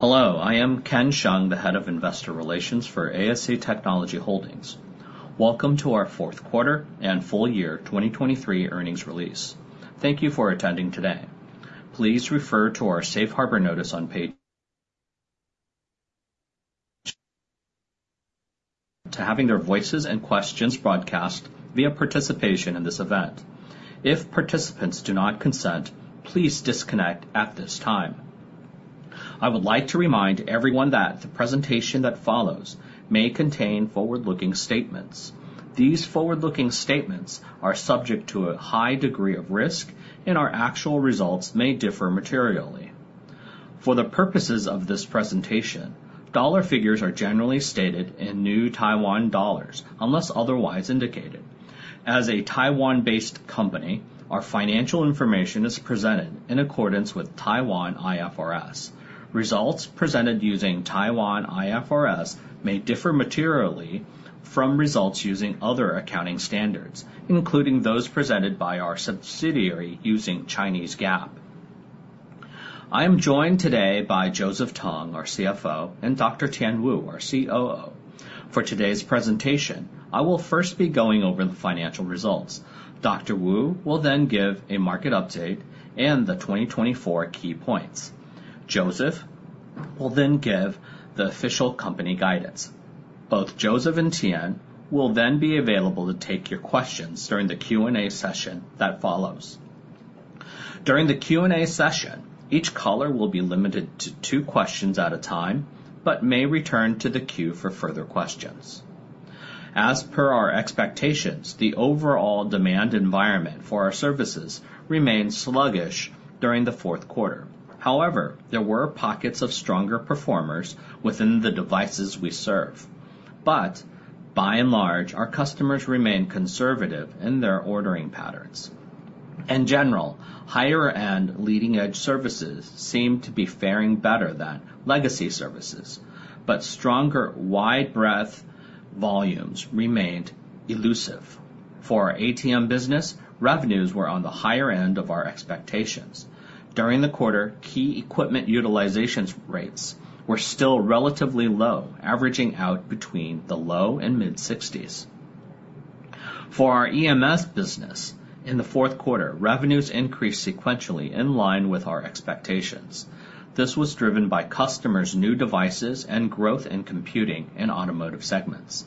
Hello, I am Ken Hsiang, the Head of Investor Relations for ASE Technology Holdings. Welcome to our fourth quarter and full year 2023 earnings release. Thank you for attending today. Please refer to our safe harbor notice on page 1. To have their voices and questions broadcast via participation in this event. If participants do not consent, please disconnect at this time. I would like to remind everyone that the presentation that follows may contain forward-looking statements. These forward-looking statements are subject to a high degree of risk, and our actual results may differ materially. For the purposes of this presentation, dollar figures are generally stated in New Taiwan dollars, unless otherwise indicated. As a Taiwan-based company, our financial information is presented in accordance with Taiwan IFRS. Results presented using Taiwan IFRS may differ materially from results using other accounting standards, including those presented by our subsidiary using Chinese GAAP. I am joined today by Joseph Tung, our CFO, and Dr. Tien Wu, our COO. For today's presentation, I will first be going over the financial results. Dr. Wu will then give a market update and the 2024 key points. Joseph will then give the official company guidance. Both Joseph and Tien will then be available to take your questions during the Q&A session that follows. During the Q&A session, each caller will be limited to two questions at a time, but may return to the queue for further questions. As per our expectations, the overall demand environment for our services remained sluggish during the fourth quarter. However, there were pockets of stronger performers within the devices we serve. But by and large, our customers remain conservative in their ordering patterns. In general, higher-end leading-edge services seem to be faring better than legacy services, but stronger wide-breadth volumes remained elusive. For our ATM business, revenues were on the higher end of our expectations. During the quarter, key equipment utilizations rates were still relatively low, averaging out between the low and mid-sixties. For our EMS business, in the fourth quarter, revenues increased sequentially in line with our expectations. This was driven by customers' new devices and growth in Computing and Automotive segments.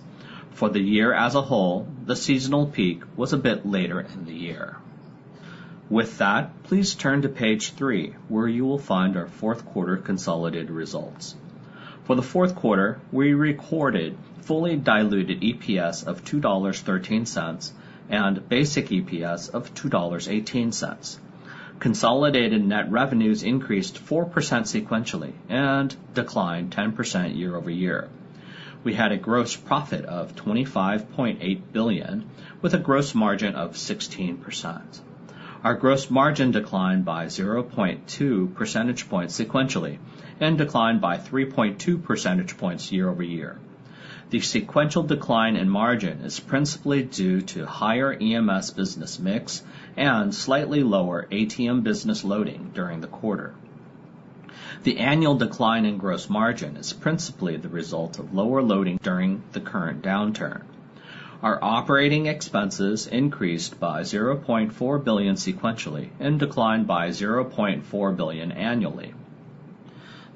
For the year as a whole, the seasonal peak was a bit later in the year. With that, please turn to page 3, where you will find our fourth quarter consolidated results. For the fourth quarter, we recorded fully diluted EPS of $2.13 and basic EPS of $2.18. Consolidated net revenues increased 4% sequentially and declined 10% year-over-year. We had a gross profit of 25.8 billion, with a gross margin of 16%. Our gross margin declined by 0.2 percentage points sequentially and declined by 3.2 percentage points year-over-year. The sequential decline in margin is principally due to higher EMS business mix and slightly lower ATM business loading during the quarter. The annual decline in gross margin is principally the result of lower loading during the current downturn. Our operating expenses increased by 0.4 billion sequentially and declined by 0.4 billion annually.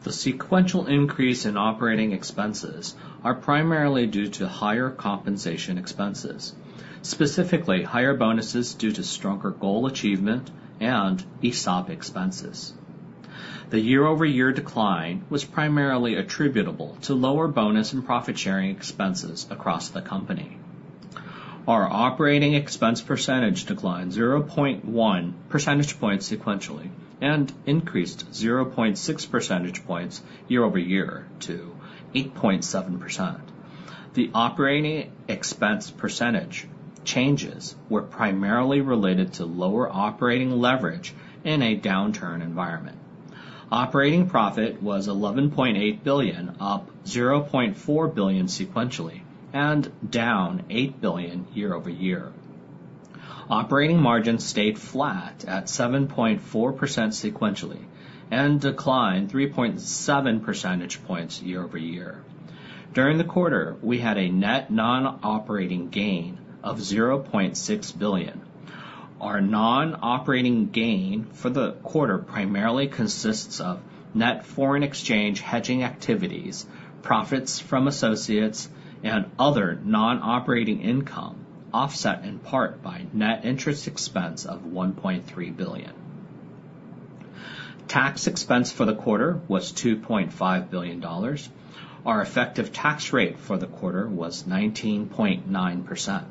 The sequential increase in operating expenses are primarily due to higher compensation expenses, specifically higher bonuses due to stronger goal achievement and ESOP expenses. The year-over-year decline was primarily attributable to lower bonus and profit-sharing expenses across the company. Our operating expense percentage declined 0.1 percentage points sequentially and increased 0.6 percentage points year-over-year to 8.7%. The operating expense percentage changes were primarily related to lower operating leverage in a downturn environment. Operating profit was 11.8 billion, up 0.4 billion sequentially, and down 8 billion year-over-year. Operating margins stayed flat at 7.4% sequentially and declined 3.7 percentage points year-over-year. During the quarter, we had a net non-operating gain of 0.6 billion. Our non-operating gain for the quarter primarily consists of net foreign exchange hedging activities, profits from associates, and other non-operating income, offset in part by net interest expense of 1.3 billion. Tax expense for the quarter was $2.5 billion. Our effective tax rate for the quarter was 19.9%.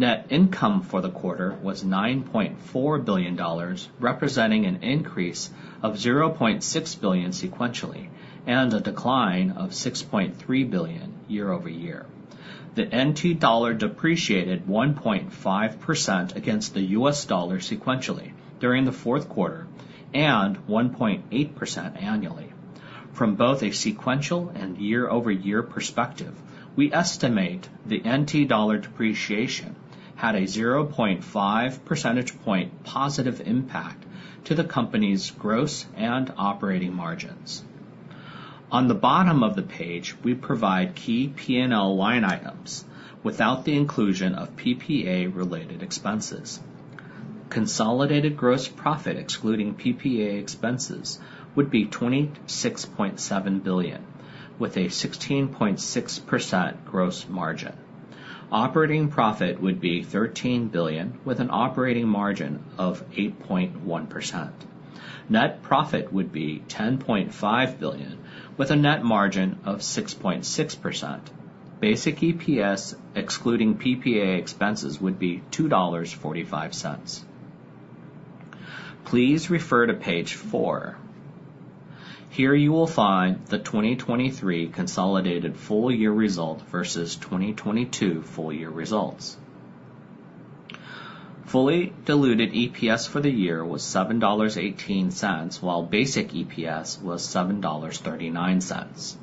Net income for the quarter was $9.4 billion, representing an increase of $0.6 billion sequentially and a decline of $6.3 billion year-over-year. The NT dollar depreciated 1.5% against the US dollar sequentially during the fourth quarter and 1.8% annually. From both a sequential and year-over-year perspective, we estimate the NT dollar depreciation... had a 0.5 percentage point positive impact to the company's gross and operating margins. On the bottom of the page, we provide key P&L line items without the inclusion of PPA-related expenses. Consolidated gross profit, excluding PPA expenses, would be $26.7 billion, with a 16.6% gross margin. Operating profit would be $13 billion, with an operating margin of 8.1%. Net profit would be 10.5 billion, with a net margin of 6.6%. Basic EPS, excluding PPA expenses, would be $2.45. Please refer to page 4. Here, you will find the 2023 consolidated full year result versus 2022 full year results. Fully diluted EPS for the year was $7.18, while basic EPS was $7.39.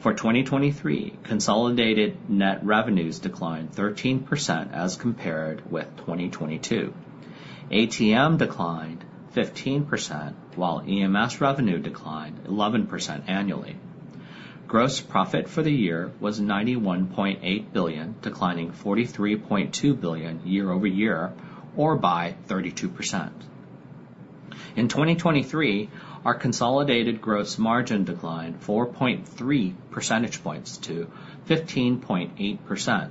For 2023, consolidated net revenues declined 13% as compared with 2022. ATM declined 15%, while EMS revenue declined 11% annually. Gross profit for the year was 91.8 billion, declining 43.2 billion year-over-year, or by 32%. In 2023, our consolidated gross margin declined 4.3 percentage points to 15.8%,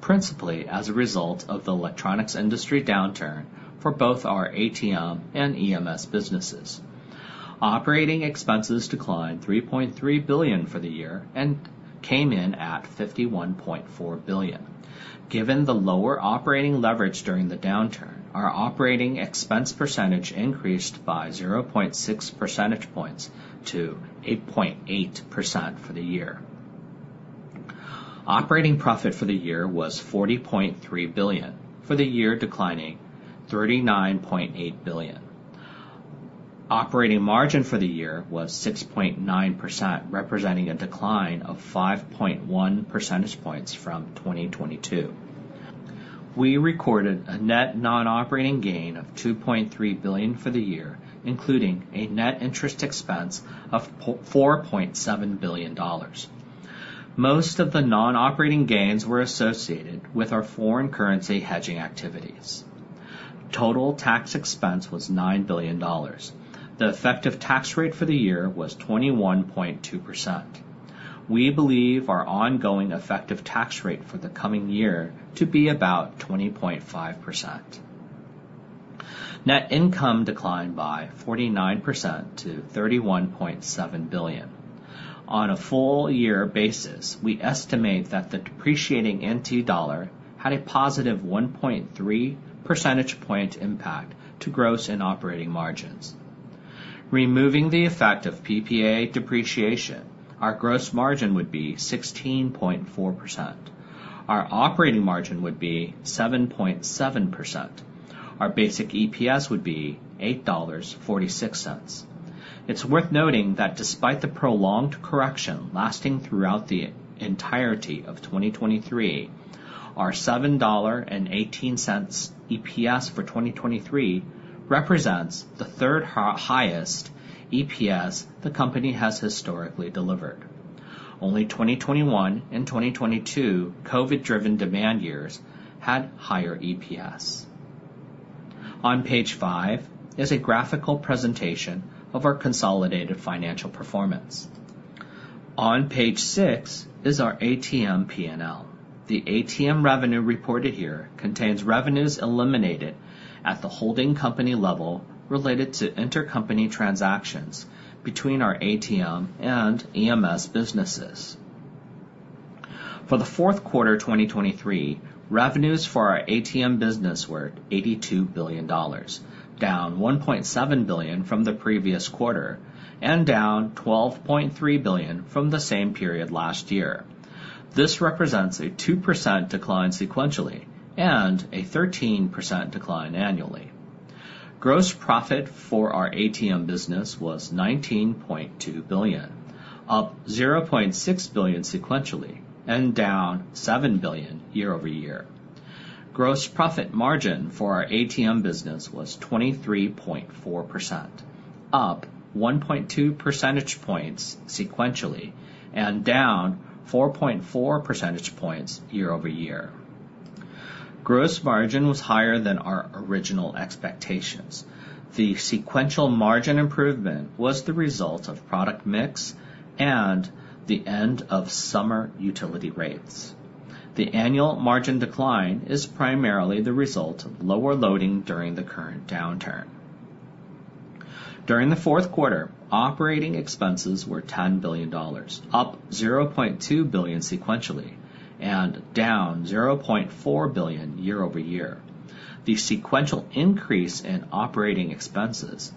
principally as a result of the electronics industry downturn for both our ATM and EMS businesses. Operating expenses declined 3.3 billion for the year and came in at 51.4 billion. Given the lower operating leverage during the downturn, our operating expense percentage increased by 0.6 percentage points to 8.8% for the year. Operating profit for the year was 40.3 billion, for the year declining 39.8 billion. Operating margin for the year was 6.9%, representing a decline of 5.1 percentage points from 2022. We recorded a net non-operating gain of 2.3 billion for the year, including a net interest expense of $4.7 billion. Most of the non-operating gains were associated with our foreign currency hedging activities. Total tax expense was $9 billion. The effective tax rate for the year was 21.2%. We believe our ongoing effective tax rate for the coming year to be about 20.5%. Net income declined by 49% to 31.7 billion. On a full year basis, we estimate that the depreciating NT dollar had a positive 1.3 percentage point impact to gross and operating margins. Removing the effect of PPA depreciation, our gross margin would be 16.4%, our operating margin would be 7.7%, our basic EPS would be $8.46. It's worth noting that despite the prolonged correction lasting throughout the entirety of 2023, our $7.18 EPS for 2023 represents the third highest EPS the company has historically delivered. Only 2021 and 2022 COVID-driven demand years had higher EPS. On page 5 is a graphical presentation of our consolidated financial performance. On page 6 is our ATM P&L. The ATM revenue reported here contains revenues eliminated at the holding company level related to intercompany transactions between our ATM and EMS businesses. For the fourth quarter of 2023, revenues for our ATM business were 82 billion dollars, down 1.7 billion from the previous quarter and down 12.3 billion from the same period last year. This represents a 2% decline sequentially and a 13% decline annually. Gross profit for our ATM business was TWD 19.2 billion, up TWD 0.6 billion sequentially and down TWD 7 billion year-over-year. Gross profit margin for our ATM business was 23.4%, up 1.2 percentage points sequentially, and down 4.4 percentage points year-over-year. Gross margin was higher than our original expectations. The sequential margin improvement was the result of product mix and the end of summer utility rates. The annual margin decline is primarily the result of lower loading during the current downturn. During the fourth quarter, operating expenses were $10 billion, up $0.2 billion sequentially and down $0.4 billion year-over-year. The sequential increase in operating expenses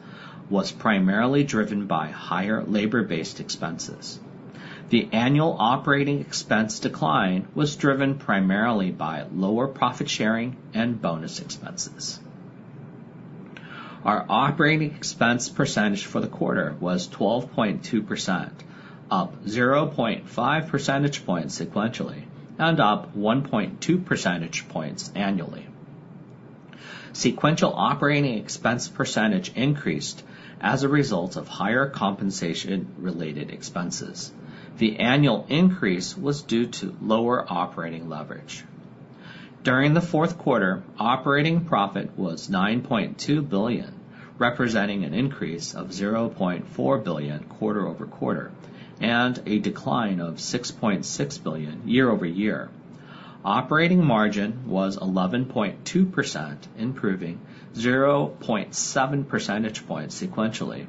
was primarily driven by higher labor-based expenses. The annual operating expense decline was driven primarily by lower profit sharing and bonus expenses. Our operating expense percentage for the quarter was 12.2%, up 0.5 percentage points sequentially, and up 1.2 percentage points annually. Sequential operating expense percentage increased as a result of higher compensation-related expenses. The annual increase was due to lower operating leverage. During the fourth quarter, operating profit was 9.2 billion, representing an increase of 0.4 billion quarter-over-quarter, and a decline of 6.6 billion year-over-year. Operating margin was 11.2%, improving 0.7 percentage points sequentially,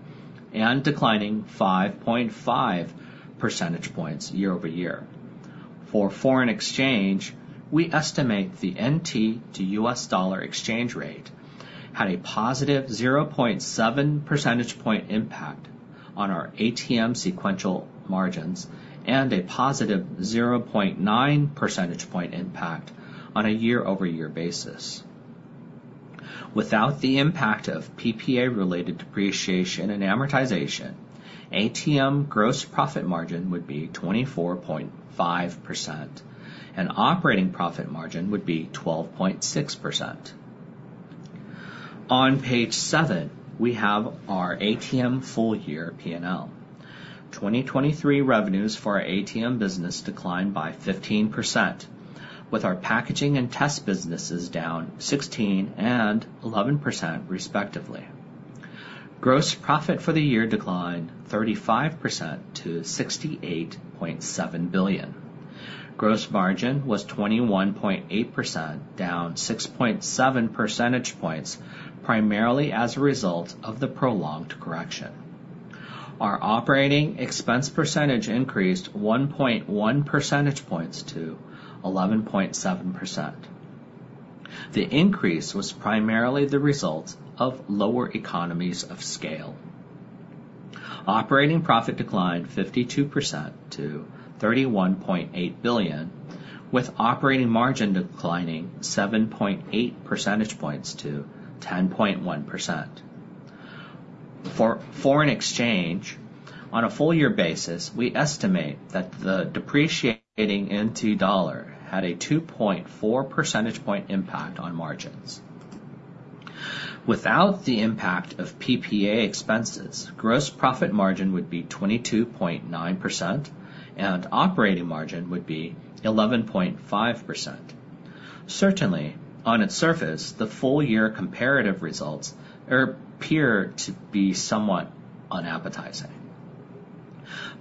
and declining 5.5 percentage points year-over-year. For foreign exchange, we estimate the NT to US dollar exchange rate had a positive 0.7 percentage point impact on our ATM sequential margins, and a positive 0.9 percentage point impact on a year-over-year basis. Without the impact of PPA-related depreciation and amortization, ATM gross profit margin would be 24.5%, and operating profit margin would be 12.6%. On page 7, we have our ATM full year P&L. 2023 revenues for our ATM business declined by 15%, with our packaging and test businesses down 16% and 11%, respectively. Gross profit for the year declined 35% to 68.7 billion. Gross margin was 21.8%, down 6.7 percentage points, primarily as a result of the prolonged correction. Our operating expense percentage increased 1.1 percentage points to 11.7%. The increase was primarily the result of lower economies of scale. Operating profit declined 52% to 31.8 billion, with operating margin declining 7.8 percentage points to 10.1%. For foreign exchange, on a full year basis, we estimate that the depreciating NT dollar had a 2.4 percentage point impact on margins. Without the impact of PPA expenses, gross profit margin would be 22.9%, and operating margin would be 11.5%. Certainly, on its surface, the full year comparative results appear to be somewhat unappetizing.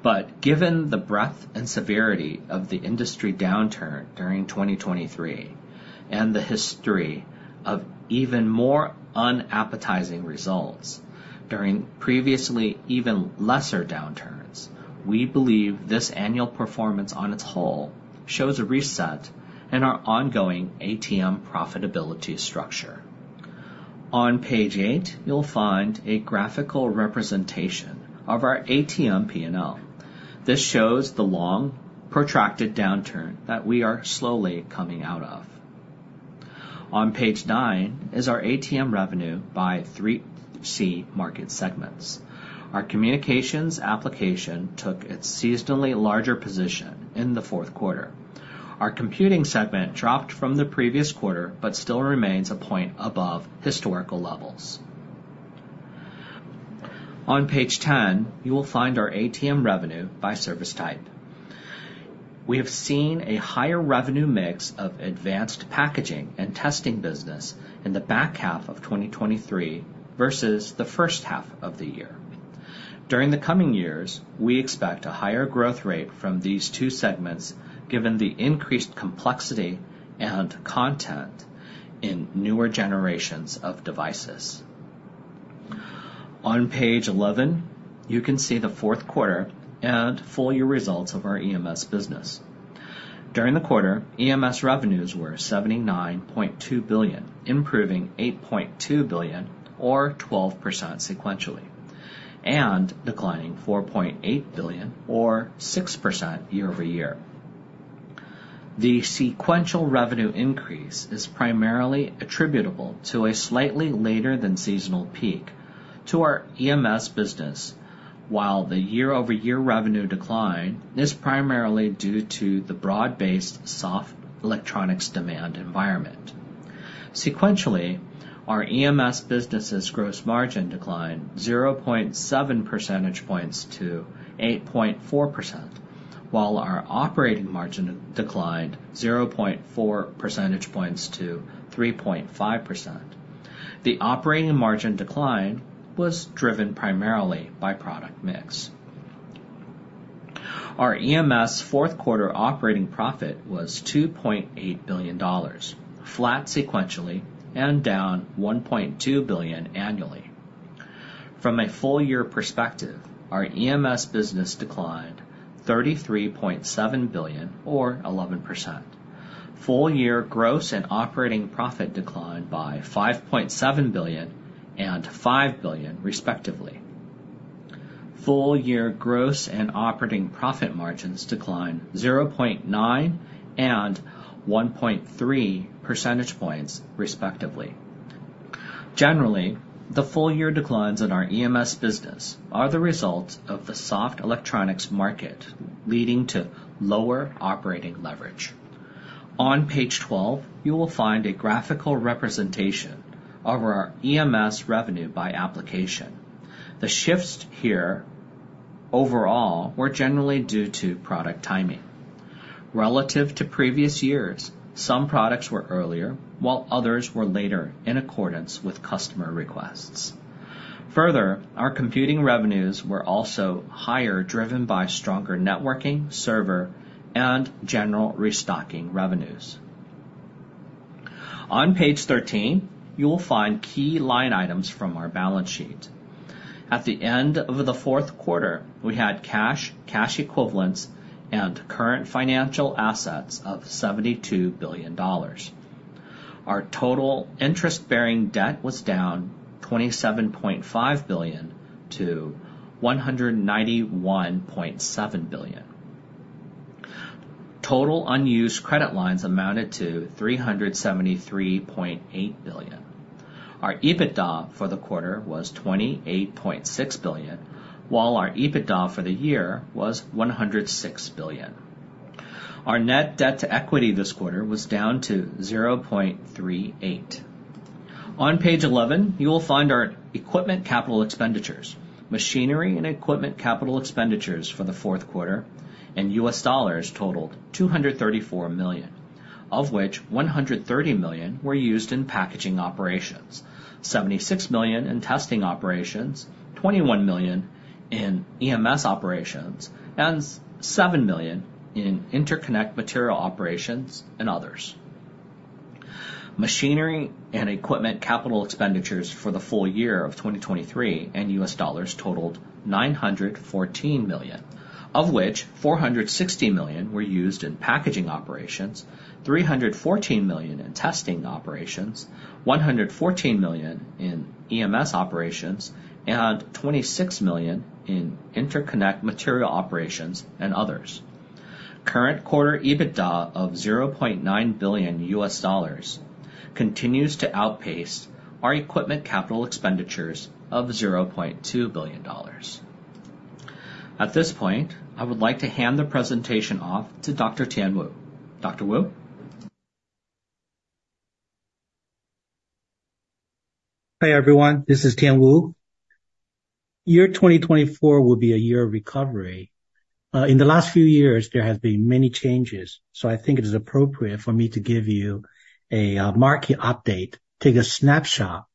But given the breadth and severity of the industry downturn during 2023, and the history of even more unappetizing results during previously even lesser downturns, we believe this annual performance on its whole shows a reset in our ongoing ATM profitability structure. On page 8, you'll find a graphical representation of our ATM P&L. This shows the long, protracted downturn that we are slowly coming out of. On page 9 is our ATM Revenue by 3C Market segments. Our communications application took its seasonally larger position in the fourth quarter. Our Computing segment dropped from the previous quarter, but still remains a point above historical levels. On page 10, you will find our ATM revenue by service type. We have seen a higher revenue mix of advanced packaging and testing business in the back half of 2023 versus the first half of the year. During the coming years, we expect a higher growth rate from these two segments given the increased complexity and content in newer generations of devices. On page 11, you can see the fourth quarter and full year results of our EMS business. During the quarter, EMS revenues were 79.2 billion, improving 8.2 billion, or 12% sequentially, and declining 4.8 billion, or 6% year-over-year. The sequential revenue increase is primarily attributable to a slightly later than seasonal peak to our EMS business, while the year-over-year revenue decline is primarily due to the broad-based soft electronics demand environment. Sequentially, our EMS business' gross margin declined 0.7 percentage points to 8.4%, while our operating margin declined 0.4 percentage points to 3.5%. The operating margin decline was driven primarily by product mix. Our EMS fourth quarter operating profit was $2.8 billion, flat sequentially, and down $1.2 billion annually. From a full year perspective, our EMS business declined $33.7 billion, or 11%. Full year gross and operating profit declined by $5.7 billion and $5 billion, respectively. Full year gross and operating profit margins declined 0.9 and 1.3 percentage points, respectively. Generally, the full year declines in our EMS business are the results of the soft electronics market, leading to lower operating leverage. On page 12, you will find a graphical representation of our EMS revenue by application. The shifts here overall were generally due to product timing. Relative to previous years, some products were earlier, while others were later, in accordance with customer requests. Further, our computing revenues were also higher, driven by stronger networking, server, and general restocking revenues. On page 13, you will find key line items from our balance sheet. At the end of the fourth quarter, we had cash, cash equivalents, and current financial assets of $72 billion. Our total interest-bearing debt was down $27.5 billion to $191.7 billion. Total unused credit lines amounted to $373.8 billion. Our EBITDA for the quarter was $28.6 billion, while our EBITDA for the year was $106 billion. Our net debt to equity this quarter was down to 0.38. On page 11, you will find our equipment capital expenditures. Machinery and equipment capital expenditures for the fourth quarter in US dollars totaled $234 million, of which $130 million were used in packaging operations, $76 million in testing operations, $21 million in EMS operations, and $7 million in interconnect material operations and others. Machinery and equipment capital expenditures for the full year of 2023 in US dollars totaled $914 million, of which $460 million were used in packaging operations, $314 million in testing operations, $114 million in EMS operations, and $26 million in interconnect material operations and others. Current quarter EBITDA of $0.9 billion continues to outpace our equipment capital expenditures of $0.2 billion. At this point, I would like to hand the presentation off to Dr. Tien Wu. Dr. Wu? Hi, everyone. This is Tien Wu. Year 2024 will be a year of recovery. In the last few years, there have been many changes, so I think it is appropriate for me to give you a market update, take a snapshot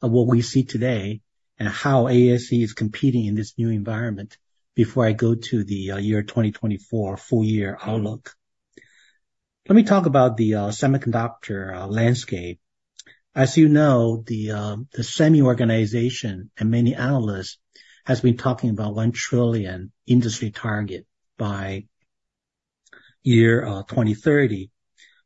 of what we see today and how ASE is competing in this new environment, before I go to the year 2024 full year outlook. Let me talk about the semiconductor landscape. As you know, the SEMI organization and many analysts has been talking about one trillion industry target by year 2030.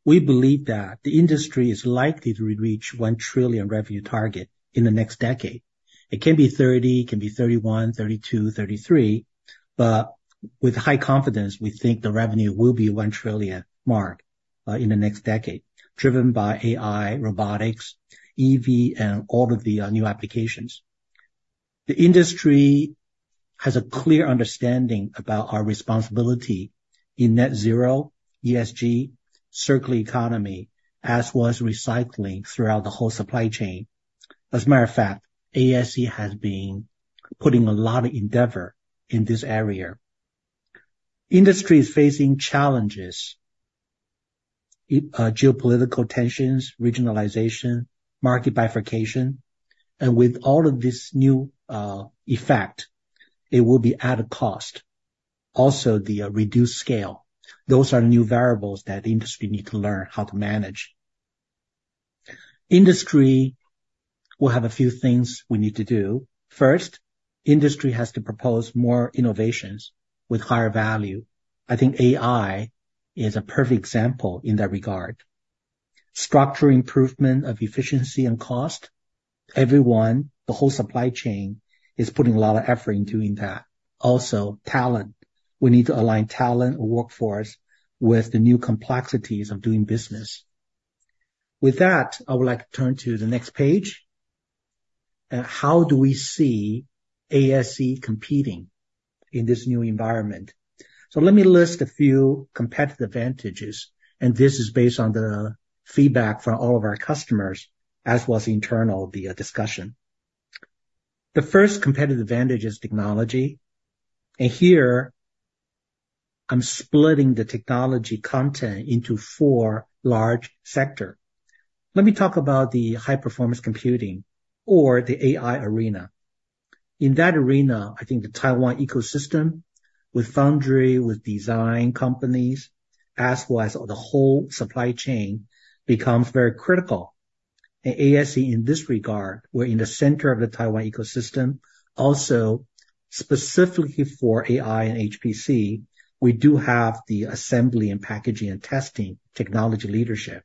We believe that the industry is likely to reach one trillion revenue target in the next decade. It can be 2030, it can be 2031, 2032, 2033, but with high confidence, we think the revenue will be $1 trillion mark in the next decade, driven by AI, robotics, EV, and all of the new applications. The industry has a clear understanding about our responsibility in net zero, ESG, circular economy, as well as recycling throughout the whole supply chain. As a matter of fact, ASE has been putting a lot of endeavor in this area. Industry is facing challenges, geopolitical tensions, regionalization, market bifurcation, and with all of this new effect, it will be at a cost. Also, the reduced scale. Those are new variables that the industry need to learn how to manage. Industry will have a few things we need to do. First, industry has to propose more innovations with higher value. I think AI is a perfect example in that regard. Structural improvement of efficiency and cost. Everyone, the whole supply chain, is putting a lot of effort in doing that. Also, talent. We need to align talent or workforce with the new complexities of doing business. With that, I would like to turn to the next page. How do we see ASE competing in this new environment? Let me list a few competitive advantages, and this is based on the feedback from all of our customers, as well as internal discussions. The first competitive advantage is technology, and here, I'm splitting the technology content into four large sectors. Let me talk about the high-performance computing or the AI arena. In that arena, I think the Taiwan ecosystem, with foundry, with design companies, as well as the whole supply chain, becomes very critical. ASE in this regard, we're in the center of the Taiwan ecosystem. Also, specifically for AI and HPC, we do have the assembly and packaging and testing technology leadership.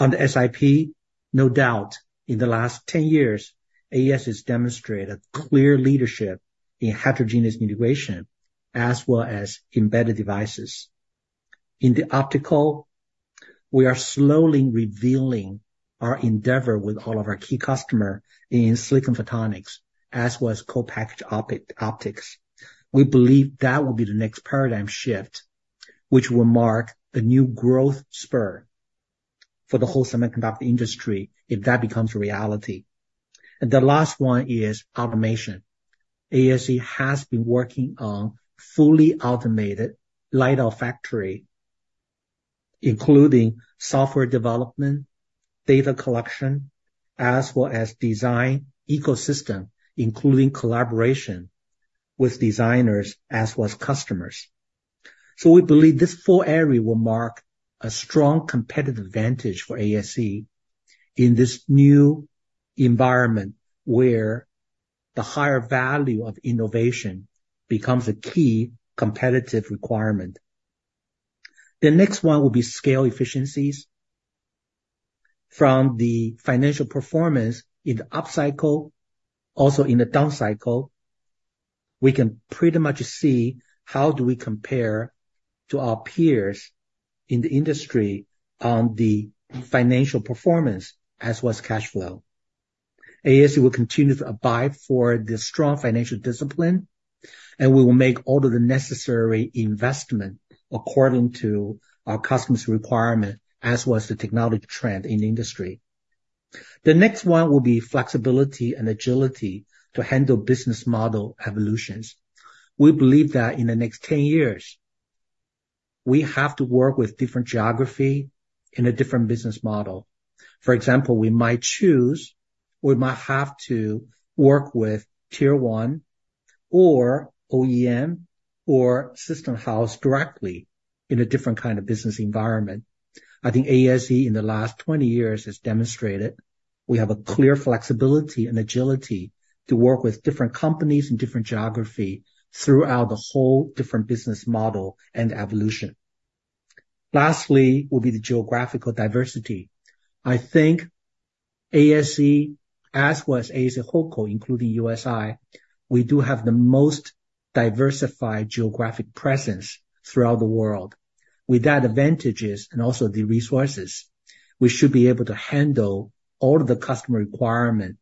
On the SiP, no doubt, in the last 10 years, ASE has demonstrated clear leadership in heterogeneous integration, as well as embedded devices. In the optical, we are slowly revealing our endeavor with all of our key customer in Photonics, as well as Co-Package Optics. We believe that will be the next paradigm shift, which will mark the new growth spur for the whole semiconductor industry, if that becomes a reality. The last one is automation. ASE has been working on fully automated lights-out factory, including software development, data collection, as well as design ecosystem, including collaboration with designers as well as customers. So we believe these four areas will mark a strong competitive advantage for ASE in this new environment, where the higher value of innovation becomes a key competitive requirement. The next one will be scale efficiencies. From the financial performance in the upcycle, also in the down cycle, we can pretty much see how do we compare to our peers in the industry on the financial performance as well as cash flow. ASE will continue to abide by the strong financial discipline, and we will make all of the necessary investment according to our customers' requirements, as well as the technology trend in the industry. The next one will be flexibility and agility to handle business model evolutions. We believe that in the next 10 years, we have to work with different geographies in a different business model. For example, we might choose, we might have to work with tier one or OEM, or system house directly in a different kind of business environment. I think ASE, in the last 20 years, has demonstrated we have a clear flexibility and agility to work with different companies and different geography throughout the whole different business model and evolution. Lastly, will be the geographical diversity. I think ASE, as well as ASE Holdco, including USI, we do have the most diversified geographic presence throughout the world. With that advantages and also the resources, we should be able to handle all of the customer requirement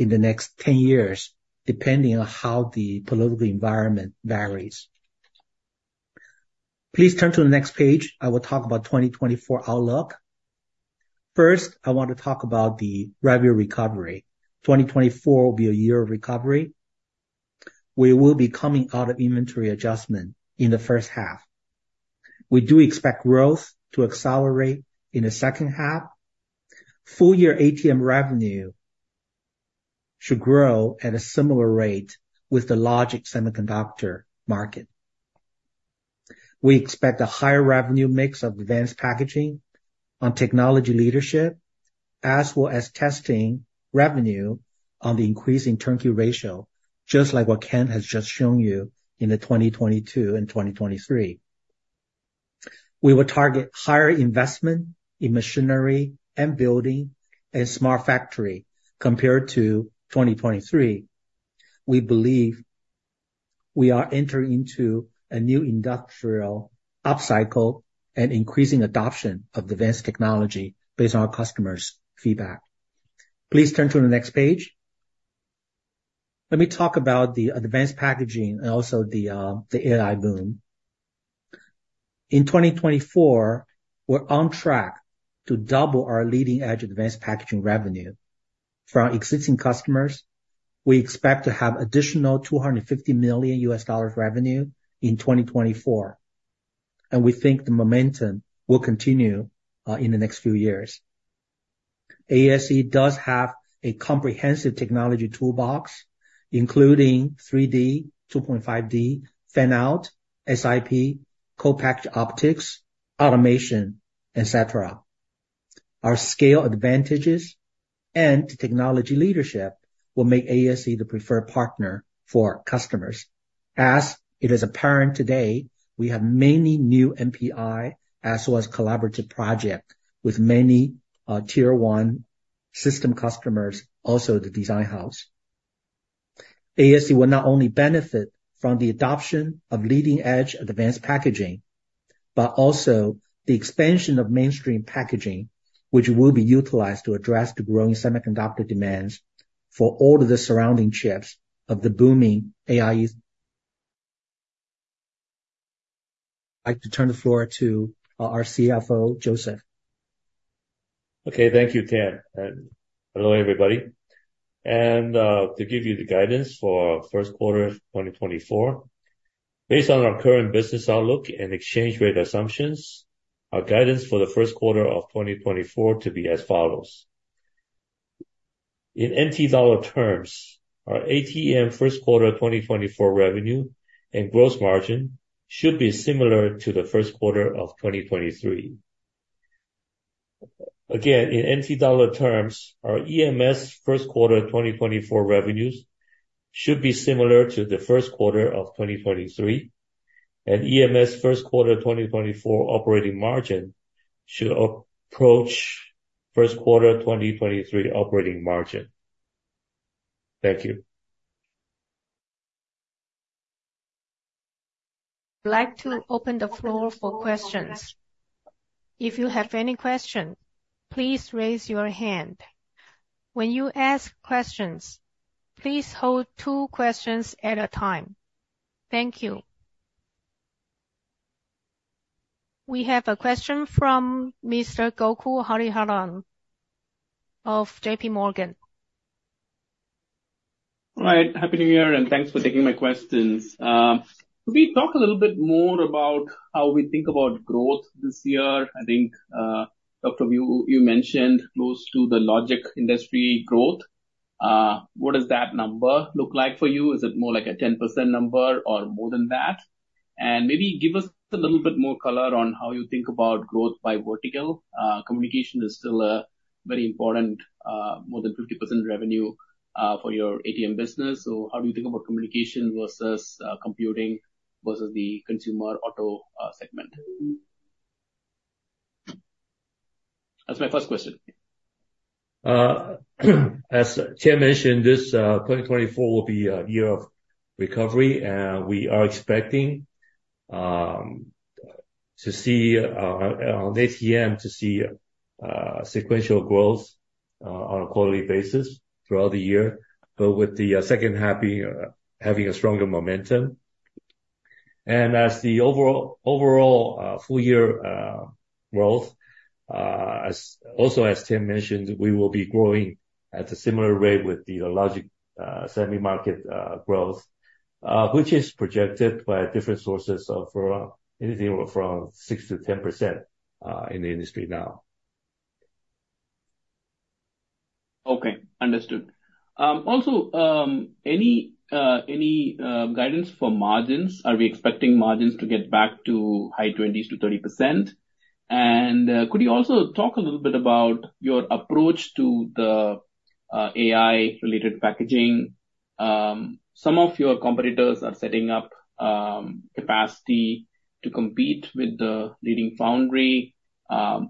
in the next 10 years, depending on how the political environment varies. Please turn to the next page. I will talk about 2024 outlook. First, I want to talk about the revenue recovery. 2024 will be a year of recovery, where we will be coming out of inventory adjustment in the first half. We do expect growth to accelerate in the second half. Full year ATM revenue should grow at a similar rate with the logic semiconductor market. We expect a higher revenue mix of advanced packaging on technology leadership, as well as testing revenue on the increasing turnkey ratio, just like what Ken has just shown you in the 2022 and 2023. We will target higher investment in machinery and building a smart factory compared to 2023. We believe we are entering into a new industrial upcycle and increasing adoption of advanced technology based on our customers' feedback. Please turn to the next page. Let me talk about the advanced packaging and also the AI boom. In 2024, we're on track to double our leading edge advanced packaging revenue. From our existing customers, we expect to have additional $250 million revenue in 2024, and we think the momentum will continue in the next few years. ASE does have a comprehensive technology toolbox, including 3D, 2.5D, fan-out, SiP, Co-Package Optics, Automation, et cetera. Our scale advantages and technology leadership will make ASE the preferred partner for customers. As it is apparent today, we have many new NPI as well as collaborative project with many tier one system customers, also the design house. ASE will not only benefit from the adoption of leading-edge advanced packaging, but also the expansion of mainstream packaging, which will be utilized to address the growing semiconductor demands for all of the surrounding chips of the booming AI. I'd like to turn the floor to our CFO, Joseph. Okay, thank you, Ken, and hello, everybody. And, to give you the guidance for our first quarter of 2024. Based on our current business outlook and exchange rate assumptions, our guidance for the first quarter of 2024 to be as follows: In NTD terms, our ATM first quarter 2024 revenue and gross margin should be similar to the first quarter of 2023. Again, in NTD terms, our EMS first quarter 2024 revenues should be similar to the first quarter of 2023. And EMS first quarter 2024 operating margin should approach first quarter 2023 operating margin. Thank you. I'd like to open the floor for questions. If you have any question, please raise your hand. When you ask questions, please hold two questions at a time. Thank you. We have a question from Mr. Gokul Hariharan of JP Morgan. All right. Happy New Year, and thanks for taking my questions. Could we talk a little bit more about how we think about growth this year? I think, Dr. Wu, you mentioned close to the logic industry growth. What does that number look like for you? Is it more like a 10% number or more than that? And maybe give us a little bit more color on how you think about growth by vertical. Communication is still a very important, more than 50% revenue, for your ATM business. So how do you think about communication versus, computing versus the consumer auto, segment? That's my first question. As Tim mentioned, this 2024 will be a year of recovery, and we are expecting to see on ATM sequential growth on a quarterly basis throughout the year, but with the second half having a stronger momentum. And as the overall full year growth, also as Tim mentioned, we will be growing at a similar rate with the logic semi market growth, which is projected by different sources of around anything from 6%-10% in the industry now. Okay, understood. Also, any guidance for margins? Are we expecting margins to get back to high 20s-30%? Could you also talk a little bit about your approach to the AI-related packaging? Some of your competitors are setting up capacity to compete with the leading foundry.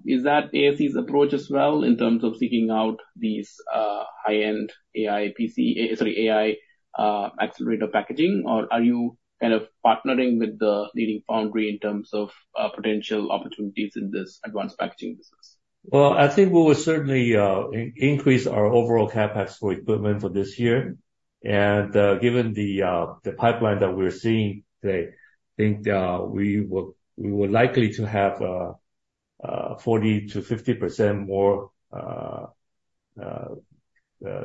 Is that ASE's approach as well, in terms of seeking out these high-end AI PC, sorry, AI accelerator packaging, or are you kind of partnering with the leading foundry in terms of potential opportunities in this advanced packaging business? Well, I think we will certainly increase our overall CapEx for equipment for this year. And given the pipeline that we're seeing today, I think we will likely to have 40-50% more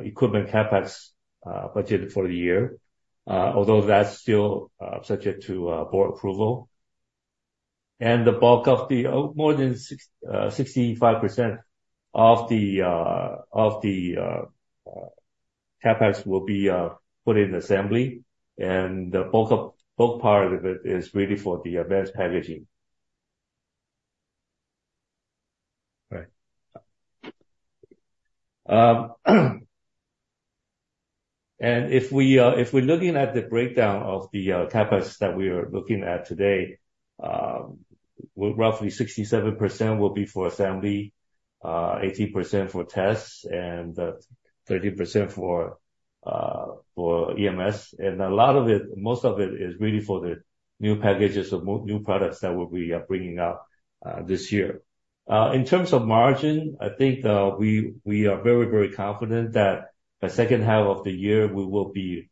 equipment CapEx budgeted for the year, although that's still subject to board approval. And the bulk of the more than 65% of the CapEx will be put in assembly, and the bulk of both part of it is really for the advanced packaging. Right. And if we're looking at the breakdown of the CapEx that we are looking at today, well, roughly 67% will be for assembly, 18% for tests, and 13% for EMS. And a lot of it, most of it is really for the new packages of more new products that we are bringing up this year. In terms of margin, I think we are very, very confident that the second half of the year, we will be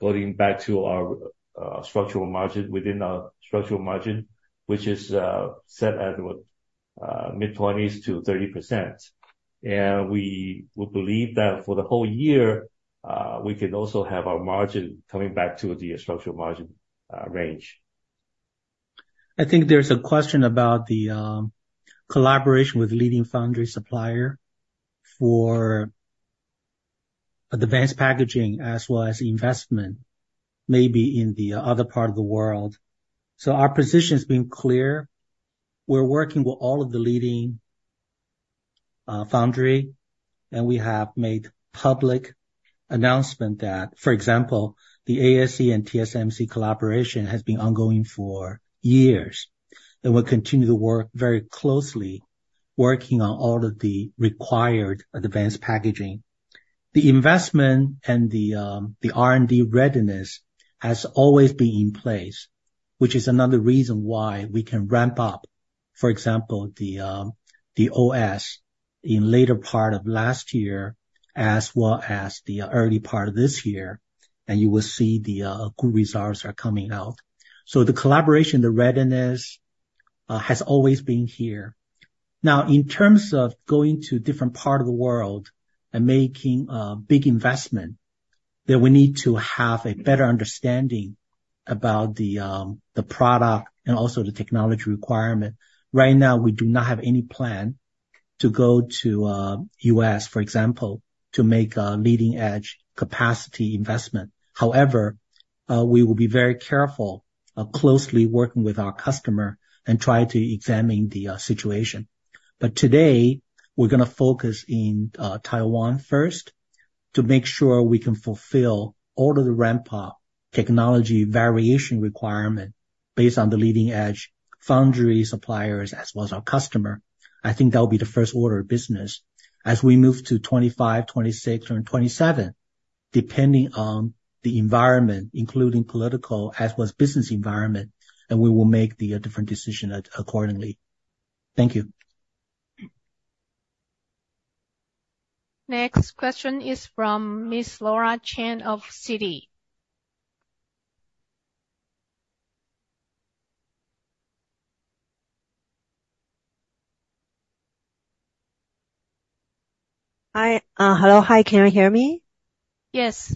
going back to our structural margin, within our structural margin, which is set at mid-20s to 30%. And we believe that for the whole year, we can also have our margin coming back to the structural margin range. I think there's a question about the collaboration with leading foundry supplier for advanced packaging, as well as investment, maybe in the other part of the world. So our position has been clear. We're working with all of the leading foundry, and we have made public announcement that, for example, the ASE and TSMC collaboration has been ongoing for years, and will continue to work very closely, working on all of the required advanced packaging. The investment and the R&D readiness has always been in place, which is another reason why we can ramp up, for example, the CoWoS in later part of last year, as well as the early part of this year, and you will see the good results are coming out. So the collaboration, the readiness has always been here. Now, in terms of going to different part of the world and making a big investment, that we need to have a better understanding about the product and also the technology requirement. Right now, we do not have any plan to go to U.S., for example, to make a leading-edge capacity investment. However, we will be very careful, closely working with our customer and try to examine the situation. But today, we're gonna focus in Taiwan first, to make sure we can fulfill all of the ramp-up technology variation requirement based on the leading-edge foundry suppliers as well as our customer. I think that will be the first order of business. As we move to 2025, 2026 and 2027, depending on the environment, including political as well as business environment, and we will make the different decision accordingly. Thank you. Next question is from Ms. Laura Chen of Citi. Hi. Hello. Hi, can you hear me? Yes.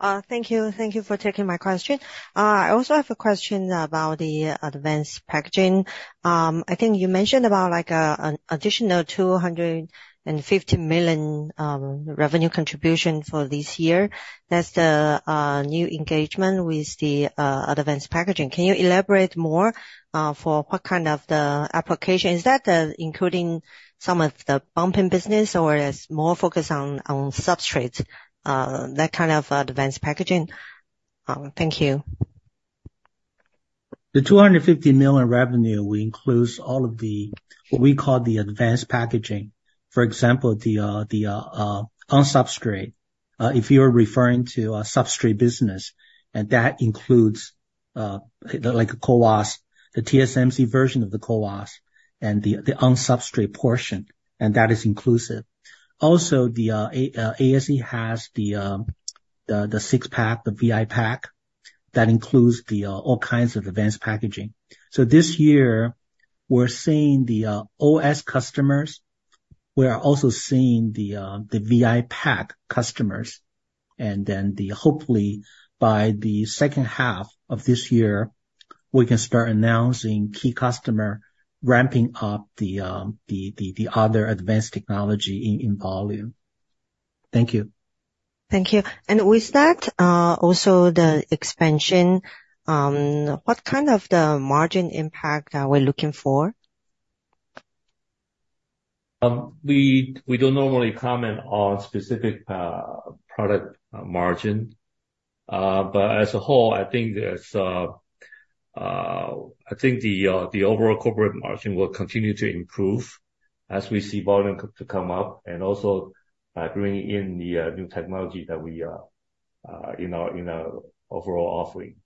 Thank you. Thank you for taking my question. I also have a question about the advanced packaging. I think you mentioned about, like, an additional $250 million revenue contribution for this year. That's the new engagement with the advanced packaging. Can you elaborate more for what kind of the application? Is that including some of the bumping business, or it is more focused on, on substrate that kind of advanced packaging? Thank you. The $250 million revenue includes all of the, what we call the advanced packaging. For example, the on-substrate. If you're referring to a substrate business, and that includes, like, a CoWoS, the TSMC version of the CoWoS and the on-substrate portion, and that is inclusive. Also, ASE has the SiP, the VIPack, that includes all kinds of advanced packaging. So this year, we're seeing the OS customers. We are also seeing the VIPack customers, and then, hopefully, by the second half of this year, we can start announcing key customer ramping up the other advanced technology in volume. Thank you. Thank you. And with that, also the expansion, what kind of the margin impact are we looking for? We don't normally comment on specific product margin. But as a whole, I think the overall corporate margin will continue to improve as we see volume to come up, and also, bringing in the new technology that we in our overall offering.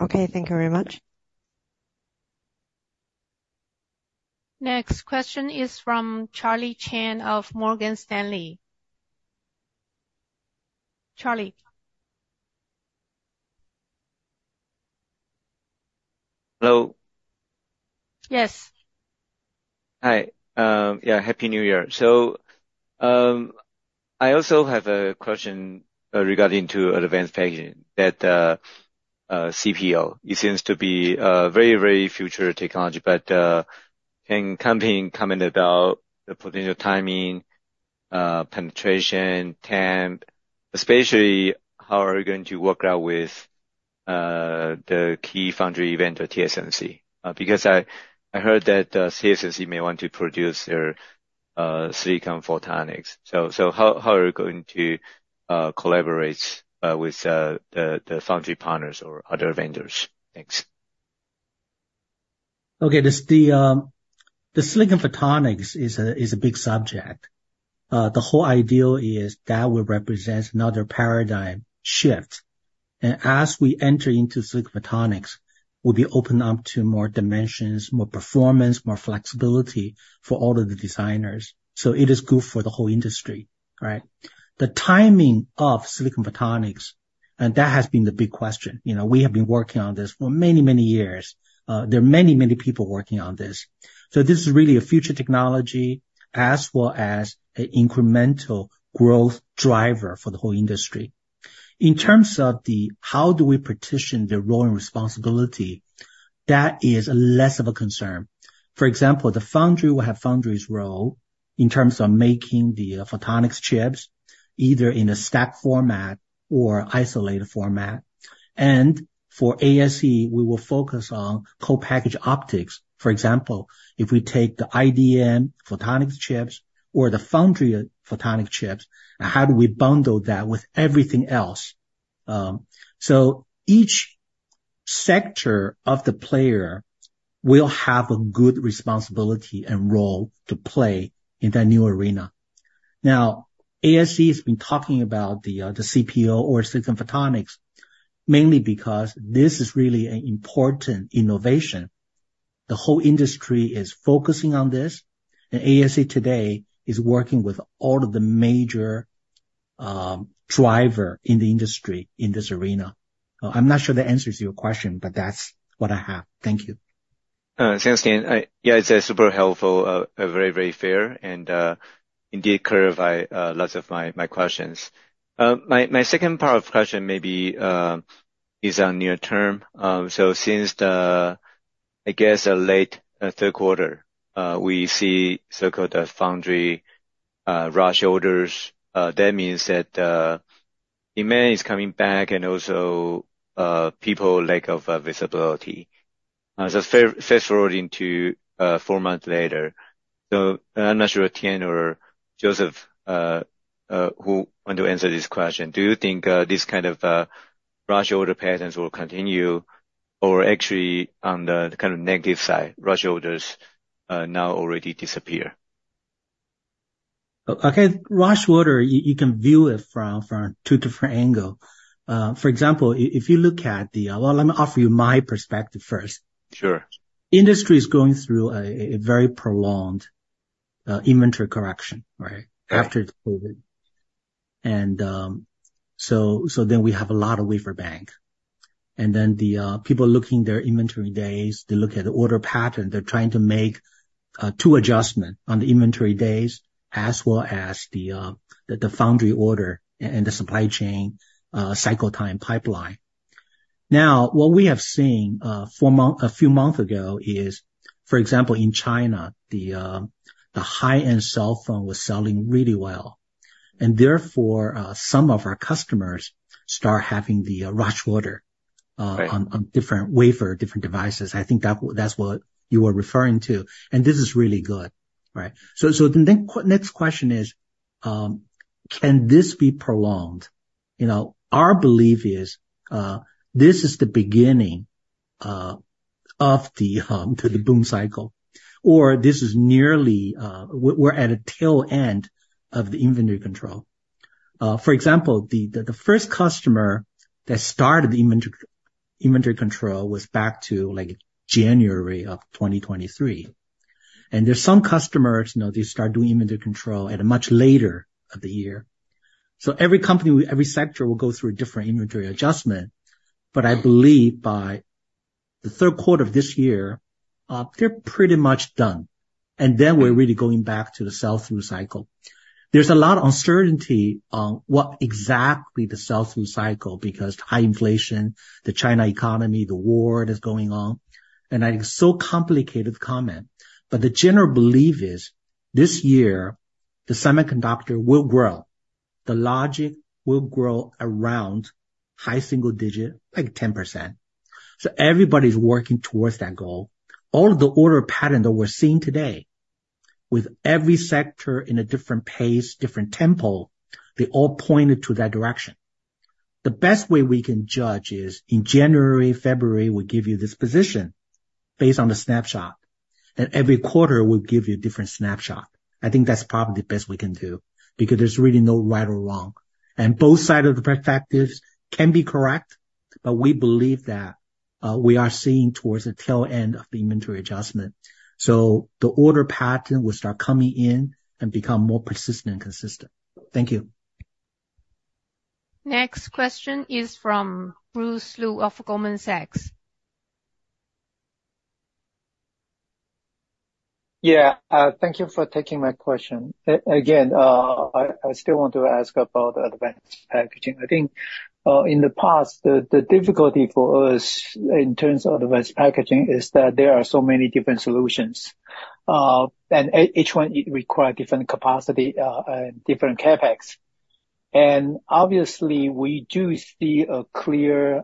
Okay, thank you very much. Next question is from Charlie Chan of Morgan Stanley. Charlie? Hello? Yes. Hi. Yeah, Happy New Year. So, I also have a question regarding to advanced packaging, that CPO. It seems to be a very, very future technology, but can company comment about the potential timing, penetration, TAM, especially how are you going to work out with the key foundry event or TSMC? Because I heard that TSMC may want to produce their silicon photonics. So how are you going to collaborate with the foundry partners or other vendors? Thanks. Okay. This, the silicon photonics is a big subject. The whole idea is that will represent another paradigm shift. And as we enter into silicon photonics, we'll be open up to more dimensions, more performance, more flexibility for all of the designers. So it is good for the whole industry, right? The timing of silicon photonics, and that has been the big question, you know, we have been working on this for many, many years. There are many, many people working on this. So this is really a future technology as well as an incremental growth driver for the whole industry. In terms of the how do we partition the role and responsibility, that is less of a concern. For example, the foundry will have foundry's role in terms of making the photonics chips, either in a stack format or isolated format. For ASE, we will focus on Co-Package Optics. For example, if we take the IDM photonics chips or the foundry photonic chips, and how do we bundle that with everything else? So each sector of the player will have a good responsibility and role to play in that new arena. Now, ASE has been talking about the CPO or Silicon Photonics, mainly because this is really an important innovation. The whole industry is focusing on this, and ASE today is working with all of the major driver in the industry in this arena. I'm not sure that answers your question, but that's what I have. Thank you. Thanks again. I -- yeah, it's super helpful, very, very fair and indeed clarify lots of my, my questions. My second part of question maybe is on near term. So since the, I guess, the late third quarter, we see so-called the foundry rush orders. That means that demand is coming back and also people lack of visibility... So fast forward into four months later. So I'm not sure if Tien or Joseph who want to answer this question. Do you think this kind of rush order patterns will continue or actually on the kind of negative side, rush orders now already disappear? Okay, rush order, you can view it from two different angles. For example, if you look at the, well, let me offer you my perspective first. Sure. Industry is going through a very prolonged inventory correction, right? After the COVID. So then we have a lot of wafer bank. Then the people looking their inventory days, they look at the order pattern, they're trying to make two adjustment on the inventory days, as well as the foundry order and the supply chain cycle time pipeline. Now, what we have seen a few months ago is, for example, in China, the high-end cell phone was selling really well. And therefore some of our customers start having the rush order. Right... on different wafer, different devices. I think that, that's what you are referring to, and this is really good, right? So, the next question is, can this be prolonged? You know, our belief is, this is the beginning, of the, the boom cycle, or this is nearly, we're at a tail end of the inventory control. For example, the first customer that started the inventory control was back to, like, January of 2023. And there's some customers, you know, they start doing inventory control at a much later of the year. So every company, every sector will go through a different inventory adjustment. But I believe by the third quarter of this year, they're pretty much done. And then we're really going back to the sell-through cycle. There's a lot of uncertainty on what exactly the sell-through cycle, because high inflation, the China economy, the war that is going on, and it's so complicated comment. But the general belief is, this year, the semiconductor will grow. The logic will grow around high single digit, like 10%. So everybody's working towards that goal. All of the order pattern that we're seeing today, with every sector in a different pace, different tempo, they all pointed to that direction. The best way we can judge is in January, February, we give you this position based on the snapshot, and every quarter will give you a different snapshot. I think that's probably the best we can do, because there's really no right or wrong. And both side of the perspectives can be correct, but we believe that, we are seeing towards the tail end of the inventory adjustment. The order pattern will start coming in and become more persistent and consistent. Thank you. Next question is from Bruce Lu of Goldman Sachs. Yeah, thank you for taking my question. Again, I still want to ask about advanced packaging. I think, in the past, the difficulty for us in terms of advanced packaging, is that there are so many different solutions. And each one require different capacity, different CapEx. And obviously, we do see a clear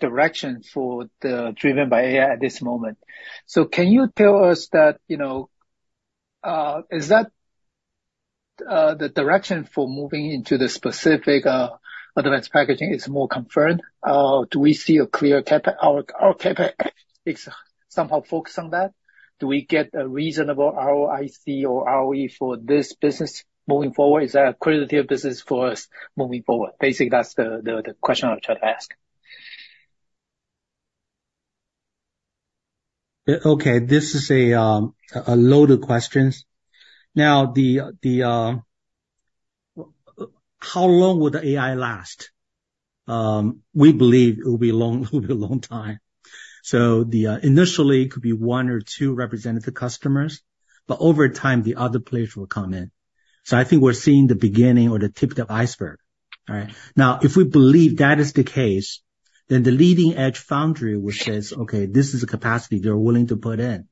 direction for the driven by AI at this moment. So can you tell us that, you know, is that the direction for moving into the specific advanced packaging is more confirmed? Do we see a clear CapEx? Our CapEx is somehow focused on that. Do we get a reasonable ROIC or ROE for this business moving forward? Is that a qualitative business for us moving forward? Basically, that's the question I'm trying to ask. Okay, this is a load of questions. Now, how long will the AI last? We believe it will be a long, it'll be a long time. So initially, it could be one or two representative customers, but over time, the other players will come in. So I think we're seeing the beginning or the tip of the iceberg. All right? Now, if we believe that is the case, then the leading edge foundry, which says, "Okay, this is a capacity they're willing to put in."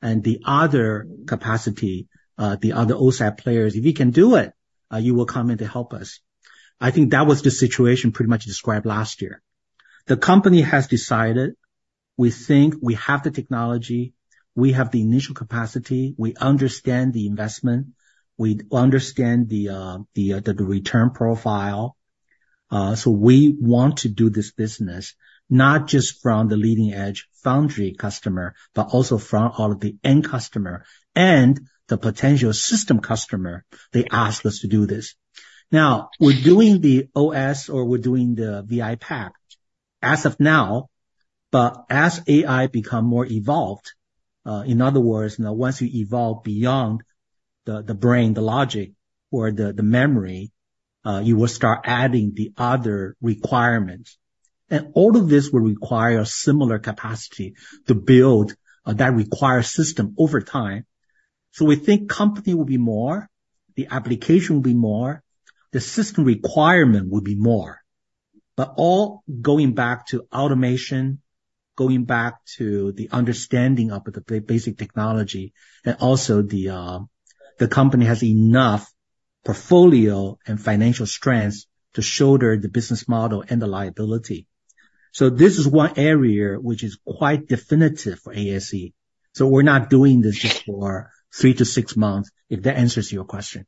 And the other capacity, the other OSAT players, if you can do it, you will come in to help us. I think that was the situation pretty much described last year. The company has decided, we think we have the technology, we have the initial capacity, we understand the investment, we understand the return profile. So we want to do this business, not just from the leading edge foundry customer, but also from all of the end customer and the potential system customer. They asked us to do this. Now, we're doing the OS, or we're doing the VIPack, as of now, but as AI become more evolved, in other words, you know, once you evolve beyond the brain, the logic or the memory, you will start adding the other requirements. And all of this will require a similar capacity to build, that require system over time. So we think company will be more, the application will be more, the system requirement will be more. But all going back to automation, going back to the understanding of the basic technology, and also the company has enough portfolio and financial strengths to shoulder the business model and the liability. So this is one area which is quite definitive for ASE, so we're not doing this just for 3-6 months, if that answers your question.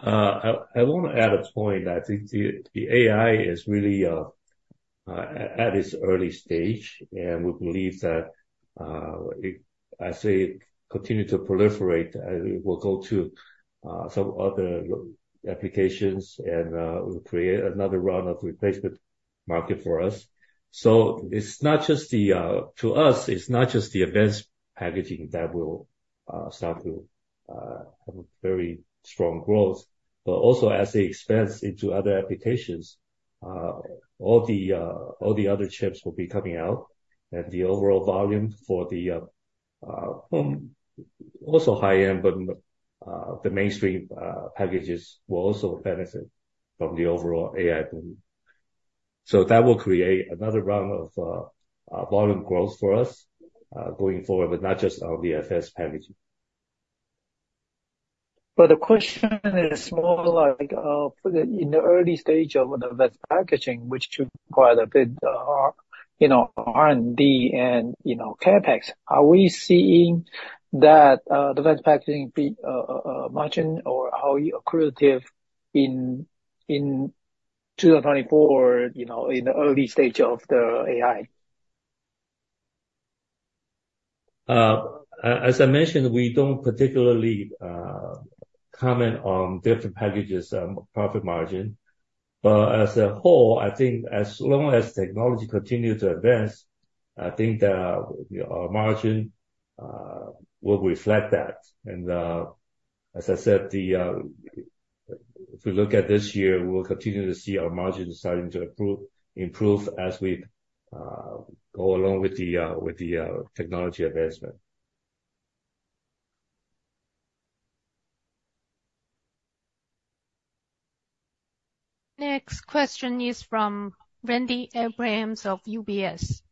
I want to add a point. I think the AI is really at its early stage, and we believe that as it continue to proliferate, it will go to some other applications and create another round of replacement market for us. So, to us, it's not just the advanced packaging that will start to have a very strong growth, but also as they expand into other applications, all the other chips will be coming out, and the overall volume for the also high-end but the mainstream packages will also benefit from the overall AI boom. So that will create another round of volume growth for us going forward, but not just on the FS packaging. But the question is more like, in the early stage of advanced packaging, which should require a bit, you know, R&D and, you know, CapEx, are we seeing that advanced packaging be margin or how accretive in 2024 or, you know, in the early stage of the AI? As I mentioned, we don't particularly comment on different packages, profit margin. But as a whole, I think as long as technology continue to advance, I think that our margin will reflect that. And as I said, if we look at this year, we'll continue to see our margin starting to improve as we go along with the technology advancement. Next question is from Randy Abrams of UBS.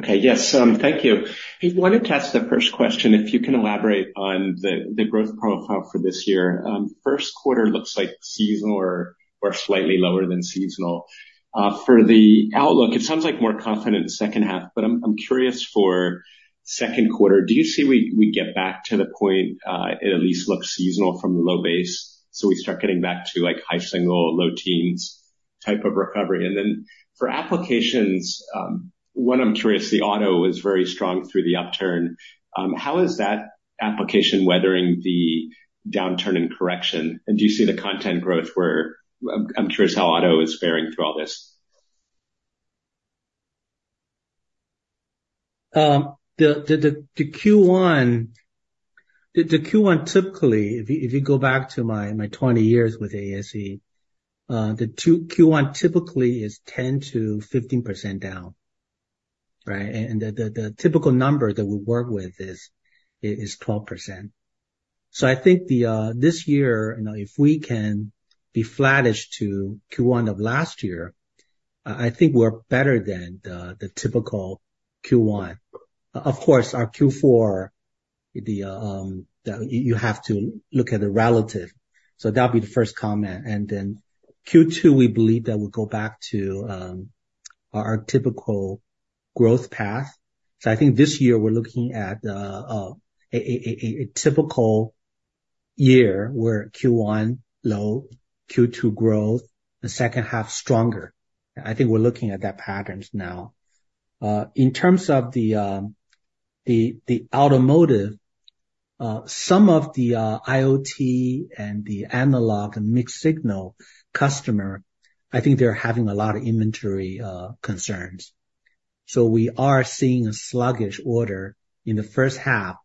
Okay. Yes, thank you. I wanted to ask the first question, if you can elaborate on the growth profile for this year. First quarter looks like seasonal or slightly lower than seasonal. For the outlook, it sounds like more confident in the second half, but I'm curious for second quarter, do you see we get back to the point, it at least looks seasonal from the low base, so we start getting back to, like, high single, low teens type of recovery? And then for applications, one, I'm curious, the auto is very strong through the upturn. How is that application weathering the downturn and correction? And do you see the content growth where... I'm curious how auto is faring through all this. The Q1, typically, if you go back to my 20 years with ASE, Q1 typically is 10%-15% down, right? The typical number that we work with is 12%. So I think this year, you know, if we can be flattish to Q1 of last year, I think we're better than the typical Q1. Of course, our Q4, you have to look at the relative. So that'll be the first comment. And then Q2, we believe that we'll go back to our typical growth path. So I think this year we're looking at a typical year, where Q1 low, Q2 growth, the second half stronger. I think we're looking at that patterns now. In terms of the automotive, some of the IoT and the analog and mixed signal customer, I think they're having a lot of inventory concerns. So we are seeing a sluggish order in the first half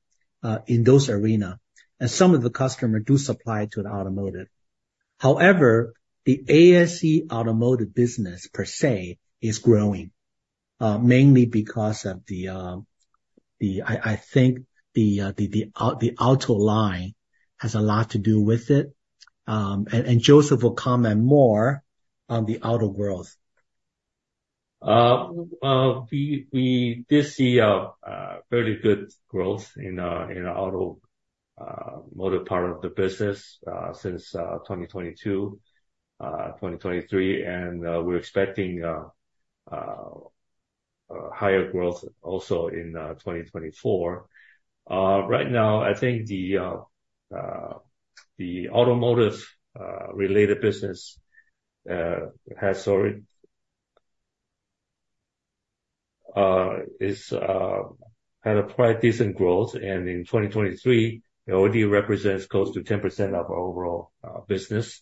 in those arena, and some of the customer do supply to the automotive. However, the ASE automotive business per se is growing, mainly because of the auto line has a lot to do with it. And Joseph will comment more on the auto growth. We did see a very good growth in automotive part of the business since 2022, 2023, and we're expecting higher growth also in 2024. Right now, I think the automotive related business has already had a quite decent growth, and in 2023, it already represents close to 10% of our overall business.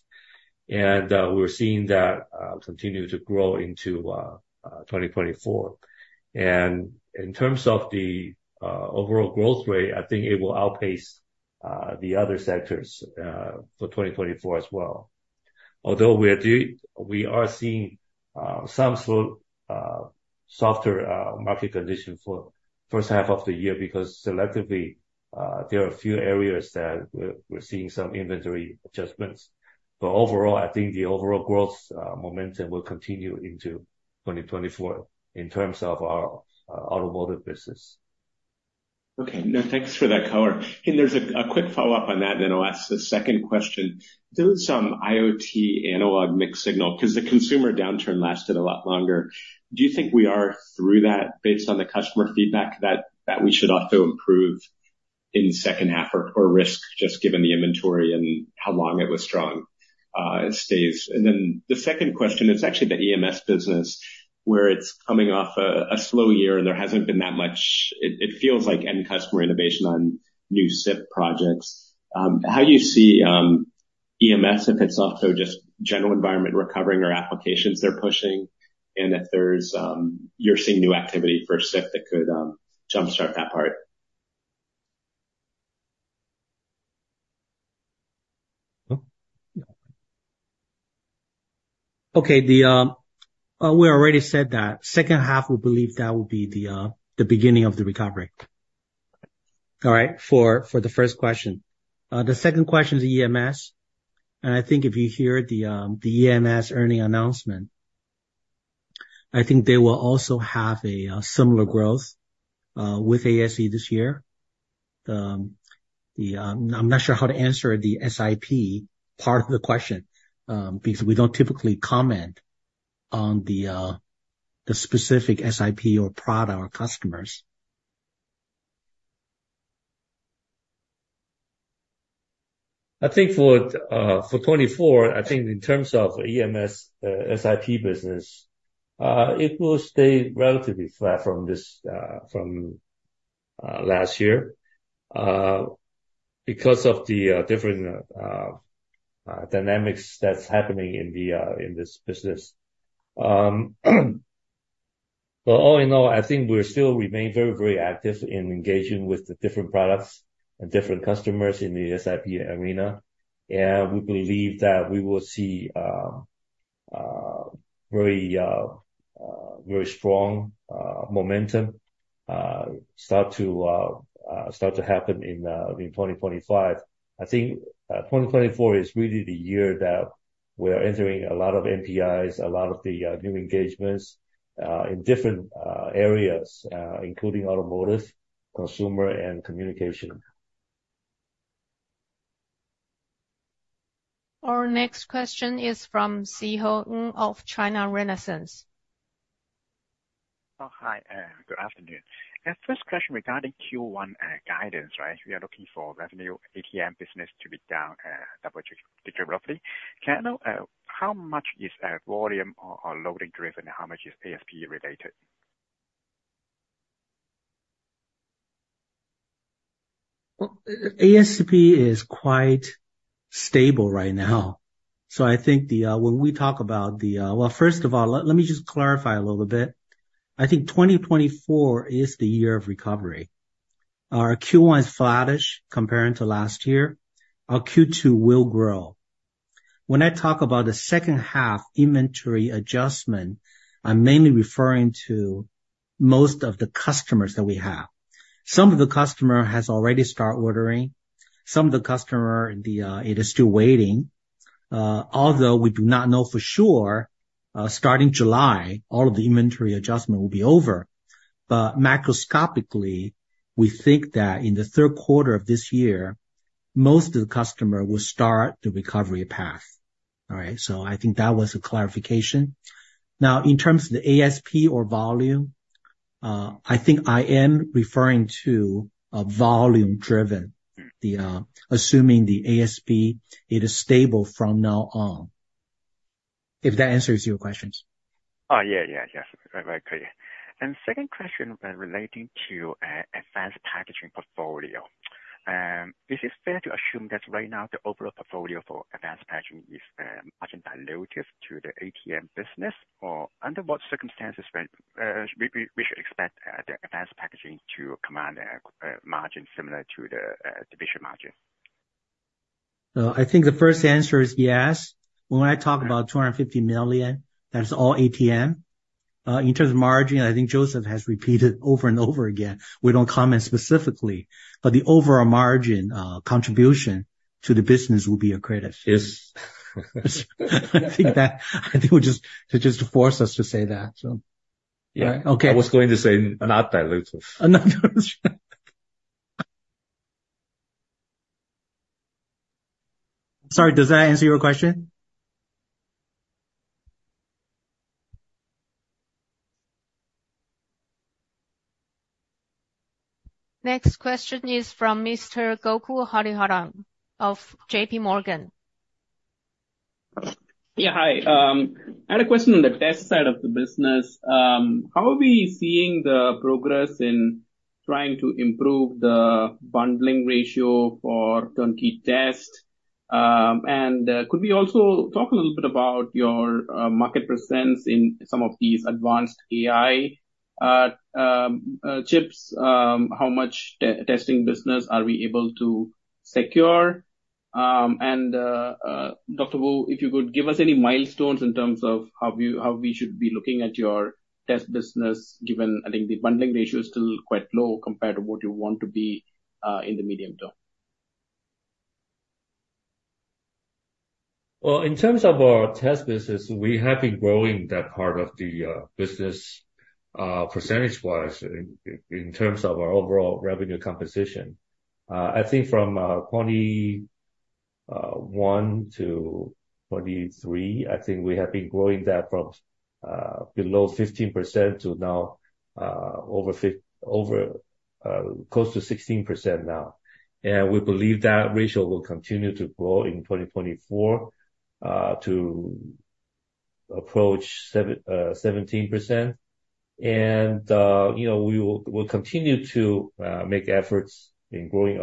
We're seeing that continue to grow into 2024. In terms of the overall growth rate, I think it will outpace the other sectors for 2024 as well. Although we are seeing some slow, softer market conditions for first half of the year, because selectively there are a few areas that we're seeing some inventory adjustments. But overall, I think the overall growth momentum will continue into 2024, in terms of our automotive business. Okay. No, thanks for that color. And there's a quick follow-up on that, then I'll ask the second question. There was some IoT analog mixed signal, 'cause the consumer downturn lasted a lot longer. Do you think we are through that based on the customer feedback that we should also improve in second half or risk, just given the inventory and how long it was strong, it stays? And then the second question is actually the EMS business, where it's coming off a slow year, and there hasn't been that much. It feels like end customer innovation on new SiP projects. How do you see EMS, if it's also just general environment recovering or applications they're pushing? And if there's you're seeing new activity for SiP that could jumpstart that part. Okay, the, we already said that second half, we believe that will be the beginning of the recovery. All right, for the first question. The second question is EMS, and I think if you hear the EMS earnings announcement, I think they will also have a similar growth with ASE this year. I'm not sure how to answer the SiP part of the question, because we don't typically comment on the specific SiP or product or customers. I think for 2024, I think in terms of EMS, SiP business, it will stay relatively flat from last year, because of the different dynamics that's happening in this business. But all in all, I think we still remain very, very active in engaging with the different products and different customers in the SiP arena. And we believe that we will see very strong momentum start to happen in 2025. I think 2024 is really the year that we're entering a lot of NPIs, a lot of the new engagements in different areas, including automotive, consumer, and communication. Our next question is from Szeho Ng of China Renaissance. Oh, hi, good afternoon. First question regarding Q1 guidance, right? We are looking for revenue ATM business to be down double-digit roughly. Can I know how much is volume or loading driven, and how much is ASP related? Well, ASP is quite stable right now. So I think the, when we talk about the... Well, first of all, let me just clarify a little bit. I think 2024 is the year of recovery. Our Q1 is flattish comparing to last year. Our Q2 will grow. When I talk about the second half inventory adjustment, I'm mainly referring to most of the customers that we have. Some of the customer has already start ordering, some of the customer, the, it is still waiting. Although we do not know for sure, starting July, all of the inventory adjustment will be over. But macroscopically, we think that in the third quarter of this year, most of the customer will start the recovery path. All right? So I think that was a clarification. Now, in terms of the ASP or volume, I think I am referring to a volume driven, assuming the ASP, it is stable from now on, if that answers your questions. Oh, yeah, yeah, yes, very, very clear. And second question relating to advanced packaging portfolio. Is it fair to assume that right now the overall portfolio for advanced packaging is margin dilutive to the ATM business? Or under what circumstances when should we expect the advanced packaging to command a margin similar to the division margin? I think the first answer is yes. When I talk about $250 million, that's all ATM. In terms of margin, I think Joseph has repeated over and over again, we don't comment specifically, but the overall margin contribution to the business will be accredited. Yes. I think we just, to just force us to say that, so... Yeah. Okay. I was going to say not dilutive. Not dilutive. Sorry, does that answer your question? Next question is from Mr. Gokul Hariharan of J.P. Morgan. Yeah, hi. I had a question on the test side of the business. How are we seeing the progress in trying to improve the bundling ratio for turnkey test? And could we also talk a little bit about your market presence in some of these advanced AI chips? How much testing business are we able to secure? And Dr. Wu, if you could give us any milestones in terms of how we should be looking at your test business, given I think the bundling ratio is still quite low compared to what you want to be in the medium term. Well, in terms of our test business, we have been growing that part of the business, percentage-wise, in terms of our overall revenue composition. I think from 2021 to 2023, I think we have been growing that from below 15% to now over close to 16% now. And we believe that ratio will continue to grow in 2024 to approach 17%. And you know, we will continue to make efforts in growing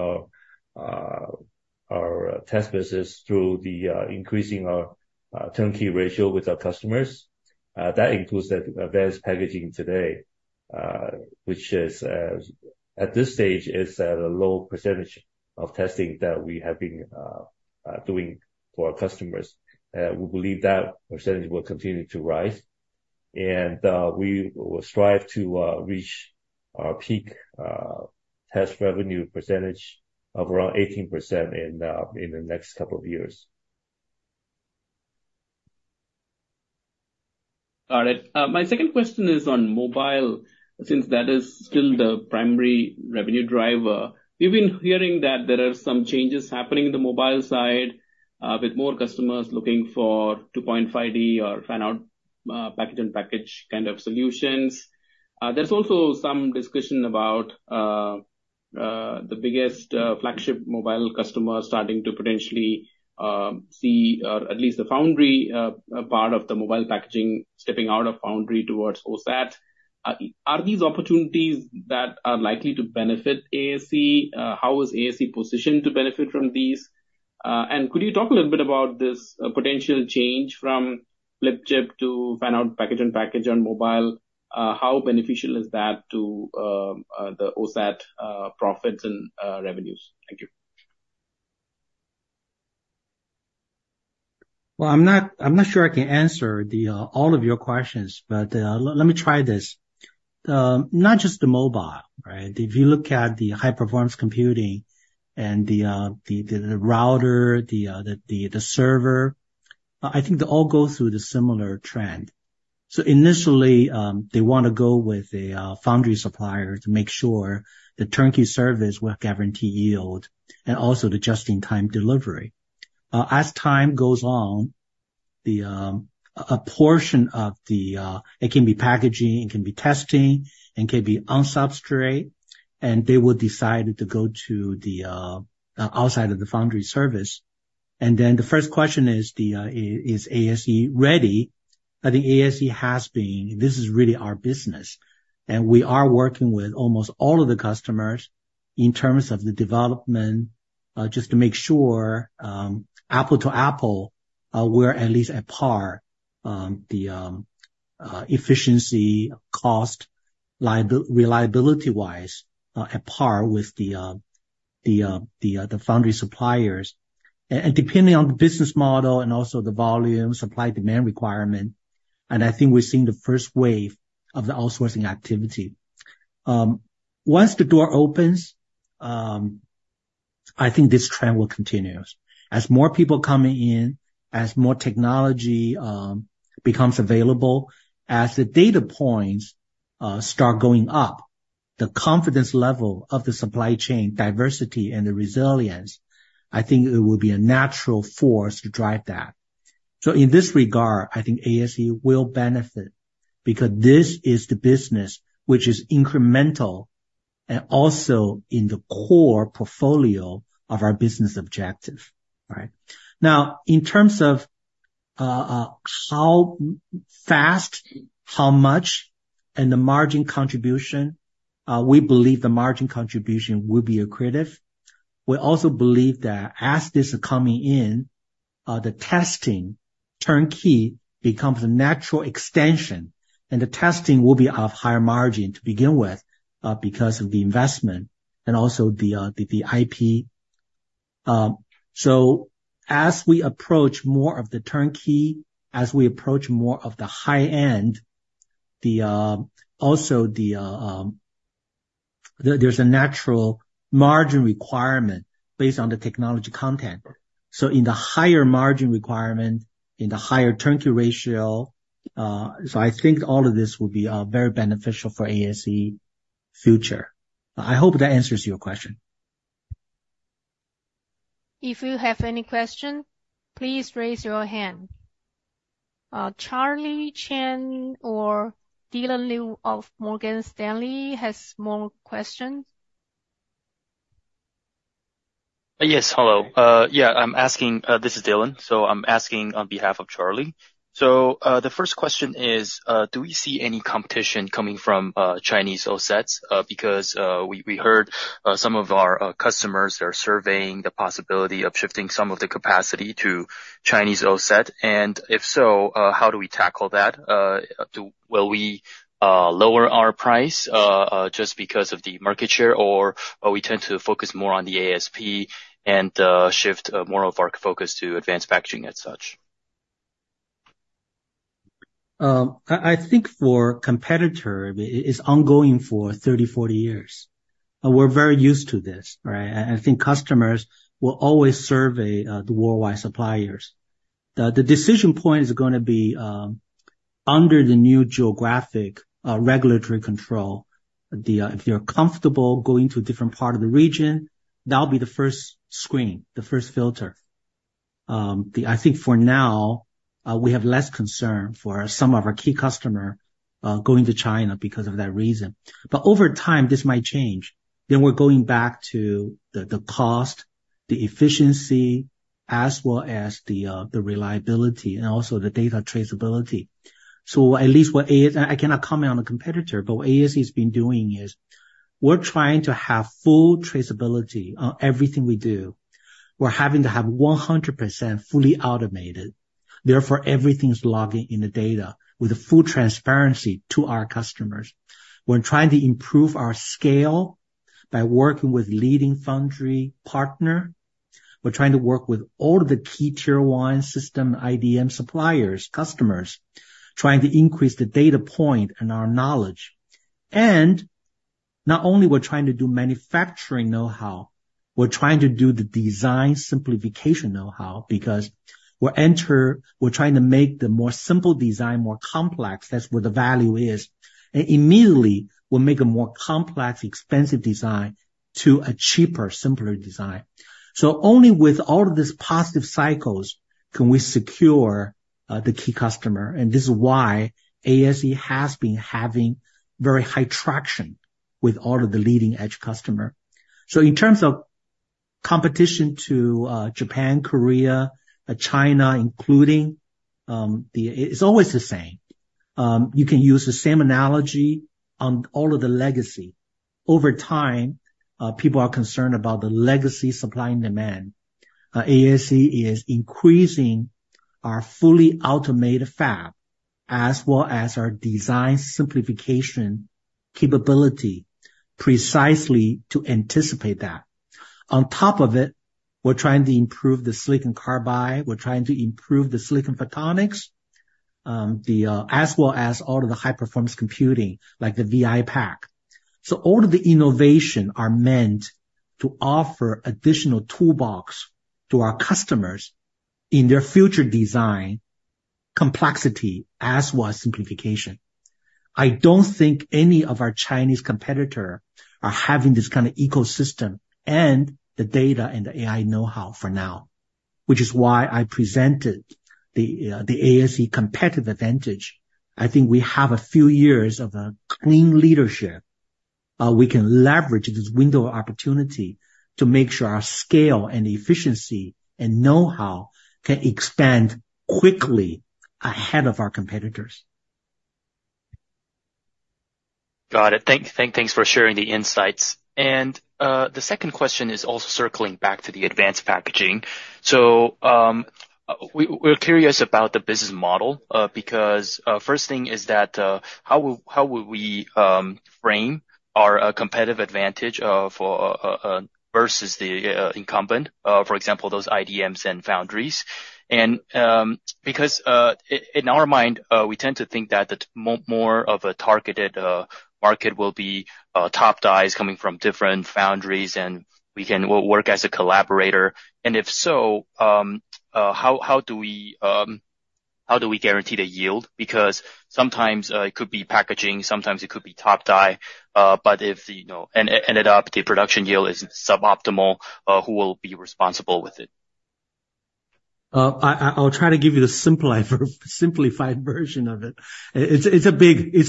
our test business through increasing our turnkey ratio with our customers. That includes the advanced packaging today, which, at this stage, is at a low percentage of testing that we have been doing for our customers. We believe that percentage will continue to rise, and we will strive to reach our peak test revenue percentage of around 18% in the next couple of years. Got it. My second question is on mobile, since that is still the primary revenue driver. We've been hearing that there are some changes happening in the mobile side, with more customers looking for 2.5D or Fan-Out Package-on-Package kind of solutions. There's also some discussion about the biggest flagship mobile customers starting to potentially see at least the foundry part of the mobile packaging stepping out of foundry towards OSAT. Are these opportunities that are likely to benefit ASE? How is ASE positioned to benefit from these? And could you talk a little bit about this potential change from Flip Chip to Fan-Out Package-on-Package on mobile? How beneficial is that to the OSAT profits and revenues? Thank you. Well, I'm not, I'm not sure I can answer all of your questions, but let me try this. Not just the mobile, right? If you look at the high-performance computing and the router, the server, I think they all go through the similar trend. So initially, they want to go with a foundry supplier to make sure the turnkey service will guarantee yield, and also the just-in-time delivery. As time goes on, a portion of it can be packaging, it can be testing, it can be on substrate, and they will decide to go to the outside of the foundry service. And then the first question is, is ASE ready? I think ASE has been. This is really our business, and we are working with almost all of the customers in terms of the development, just to make sure, apple to apple, we're at least at par, the efficiency, cost, liability-reliability wise, at par with the foundry suppliers. And depending on the business model and also the volume, supply, demand requirement, and I think we're seeing the first wave of the outsourcing activity. Once the door opens, I think this trend will continues. As more people coming in, as more technology becomes available, as the data points start going up, the confidence level of the supply chain diversity and the resilience, I think it will be a natural force to drive that. So in this regard, I think ASE will benefit because this is the business which is incremental and also in the core portfolio of our business objective, right? Now, in terms of how fast, how much, and the margin contribution, we believe the margin contribution will be accretive. We also believe that as this is coming in, the testing turnkey becomes a natural extension, and the testing will be of higher margin to begin with, because of the investment and also the IP. So as we approach more of the turnkey, as we approach more of the high end, also, there's a natural margin requirement based on the technology content. So in the higher margin requirement, in the higher turnkey ratio, so I think all of this will be, very beneficial for ASE future. I hope that answers your question. If you have any question, please raise your hand. Charlie Chan or Dylan Liu of Morgan Stanley has more questions. Yes. Hello. Yeah, I'm asking, this is Dylan, so I'm asking on behalf of Charlie. So, the first question is, do we see any competition coming from Chinese OSATs? Because we heard some of our customers are surveying the possibility of shifting some of the capacity to Chinese OSAT. And if so, how do we tackle that? Will we lower our price just because of the market share, or will we tend to focus more on the ASP and shift more of our focus to advanced packaging as such? I think for competitor, it is ongoing for 30-40 years. And we're very used to this, right? I think customers will always survey the worldwide suppliers. The decision point is gonna be under the new geographic regulatory control. If you're comfortable going to a different part of the region, that'll be the first screen, the first filter. I think for now, we have less concern for some of our key customer going to China because of that reason. But over time, this might change. Then we're going back to the cost, the efficiency, as well as the reliability and also the data traceability. So at least what ASE, I cannot comment on a competitor, but what ASE has been doing is we're trying to have full traceability on everything we do. We're having to have 100% fully automated, therefore, everything's logging in the data with a full transparency to our customers. We're trying to improve our scale by working with leading foundry partner. We're trying to work with all of the key tier one system IDM suppliers, customers, trying to increase the data point and our knowledge. And not only we're trying to do manufacturing know-how, we're trying to do the design simplification know-how, because we're trying to make the more simple design, more complex. That's where the value is. And immediately, we'll make a more complex, expensive design to a cheaper, simpler design. So only with all of these positive cycles can we secure the key customer, and this is why ASE has been having very high traction with all of the leading-edge customer. So in terms of competition to Japan, Korea, China, including. It's always the same. You can use the same analogy on all of the legacy. Over time, people are concerned about the legacy supply and demand. ASE is increasing our fully automated fab, as well as our design simplification capability, precisely to anticipate that. On top of it, we're trying to improve the Silicon Carbide, we're trying to improve the Silicon Photonics, as well as all of the high-performance computing, like the VIPack. So all of the innovation are meant to offer additional toolbox to our customers in their future design, complexity, as well as simplification. I don't think any of our Chinese competitor are having this kind of ecosystem and the data and the AI know-how for now, which is why I presented the ASE competitive advantage. I think we have a few years of a clean leadership. We can leverage this window of opportunity to make sure our scale and efficiency and know-how can expand quickly ahead of our competitors. Got it. Thanks for sharing the insights. The second question is also circling back to the advanced packaging. So, we're curious about the business model, because first thing is that, how would we frame our competitive advantage of versus the incumbent, for example, those IDMs and foundries? Because in our mind, we tend to think that the more of a targeted market will be top dies coming from different foundries, and we can work as a collaborator. And if so, how do we guarantee the yield? Because sometimes, it could be packaging, sometimes it could be top die, but if, you know, and ended up the production yield is suboptimal, who will be responsible with it? I'll try to give you the simplified version of it. It's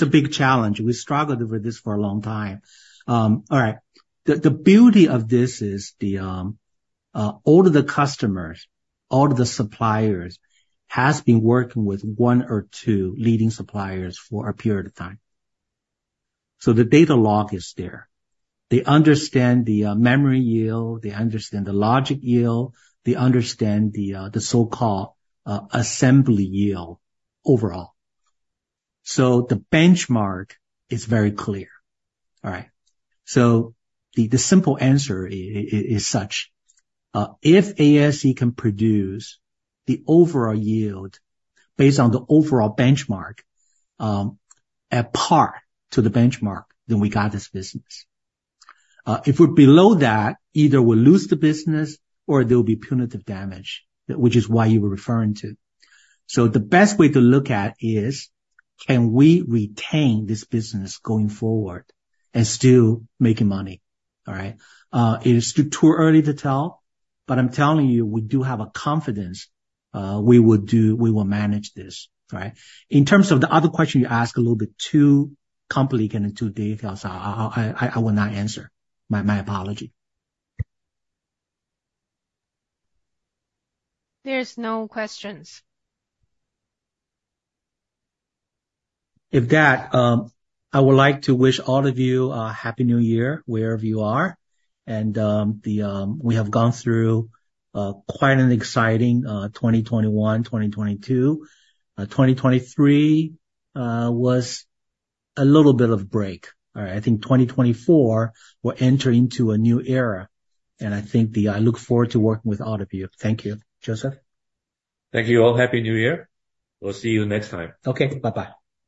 a big challenge. We struggled with this for a long time. All right. The beauty of this is all of the customers, all of the suppliers, has been working with one or two leading suppliers for a period of time. So the data log is there. They understand the memory yield, they understand the logic yield, they understand the so-called assembly yield overall. So the benchmark is very clear. All right. So the simple answer is such if ASE can produce the overall yield based on the overall benchmark at par to the benchmark, then we got this business. If we're below that, either we'll lose the business or there'll be punitive damage, which is why you were referring to. So the best way to look at is, can we retain this business going forward and still making money? All right. It is too early to tell, but I'm telling you, we do have a confidence, we will manage this, right? In terms of the other question you asked, a little bit too complicated and too detailed, I will not answer. My apology. There's no questions. With that, I would like to wish all of you a Happy New Year, wherever you are. And, the... We have gone through quite an exciting 2021, 2022. 2023 was a little bit of break. All right, I think 2024, we're entering into a new era, and I think the... I look forward to working with all of you. Thank you. Joseph? Thank you, all. Happy New Year. We'll see you next time. Okay, bye-bye.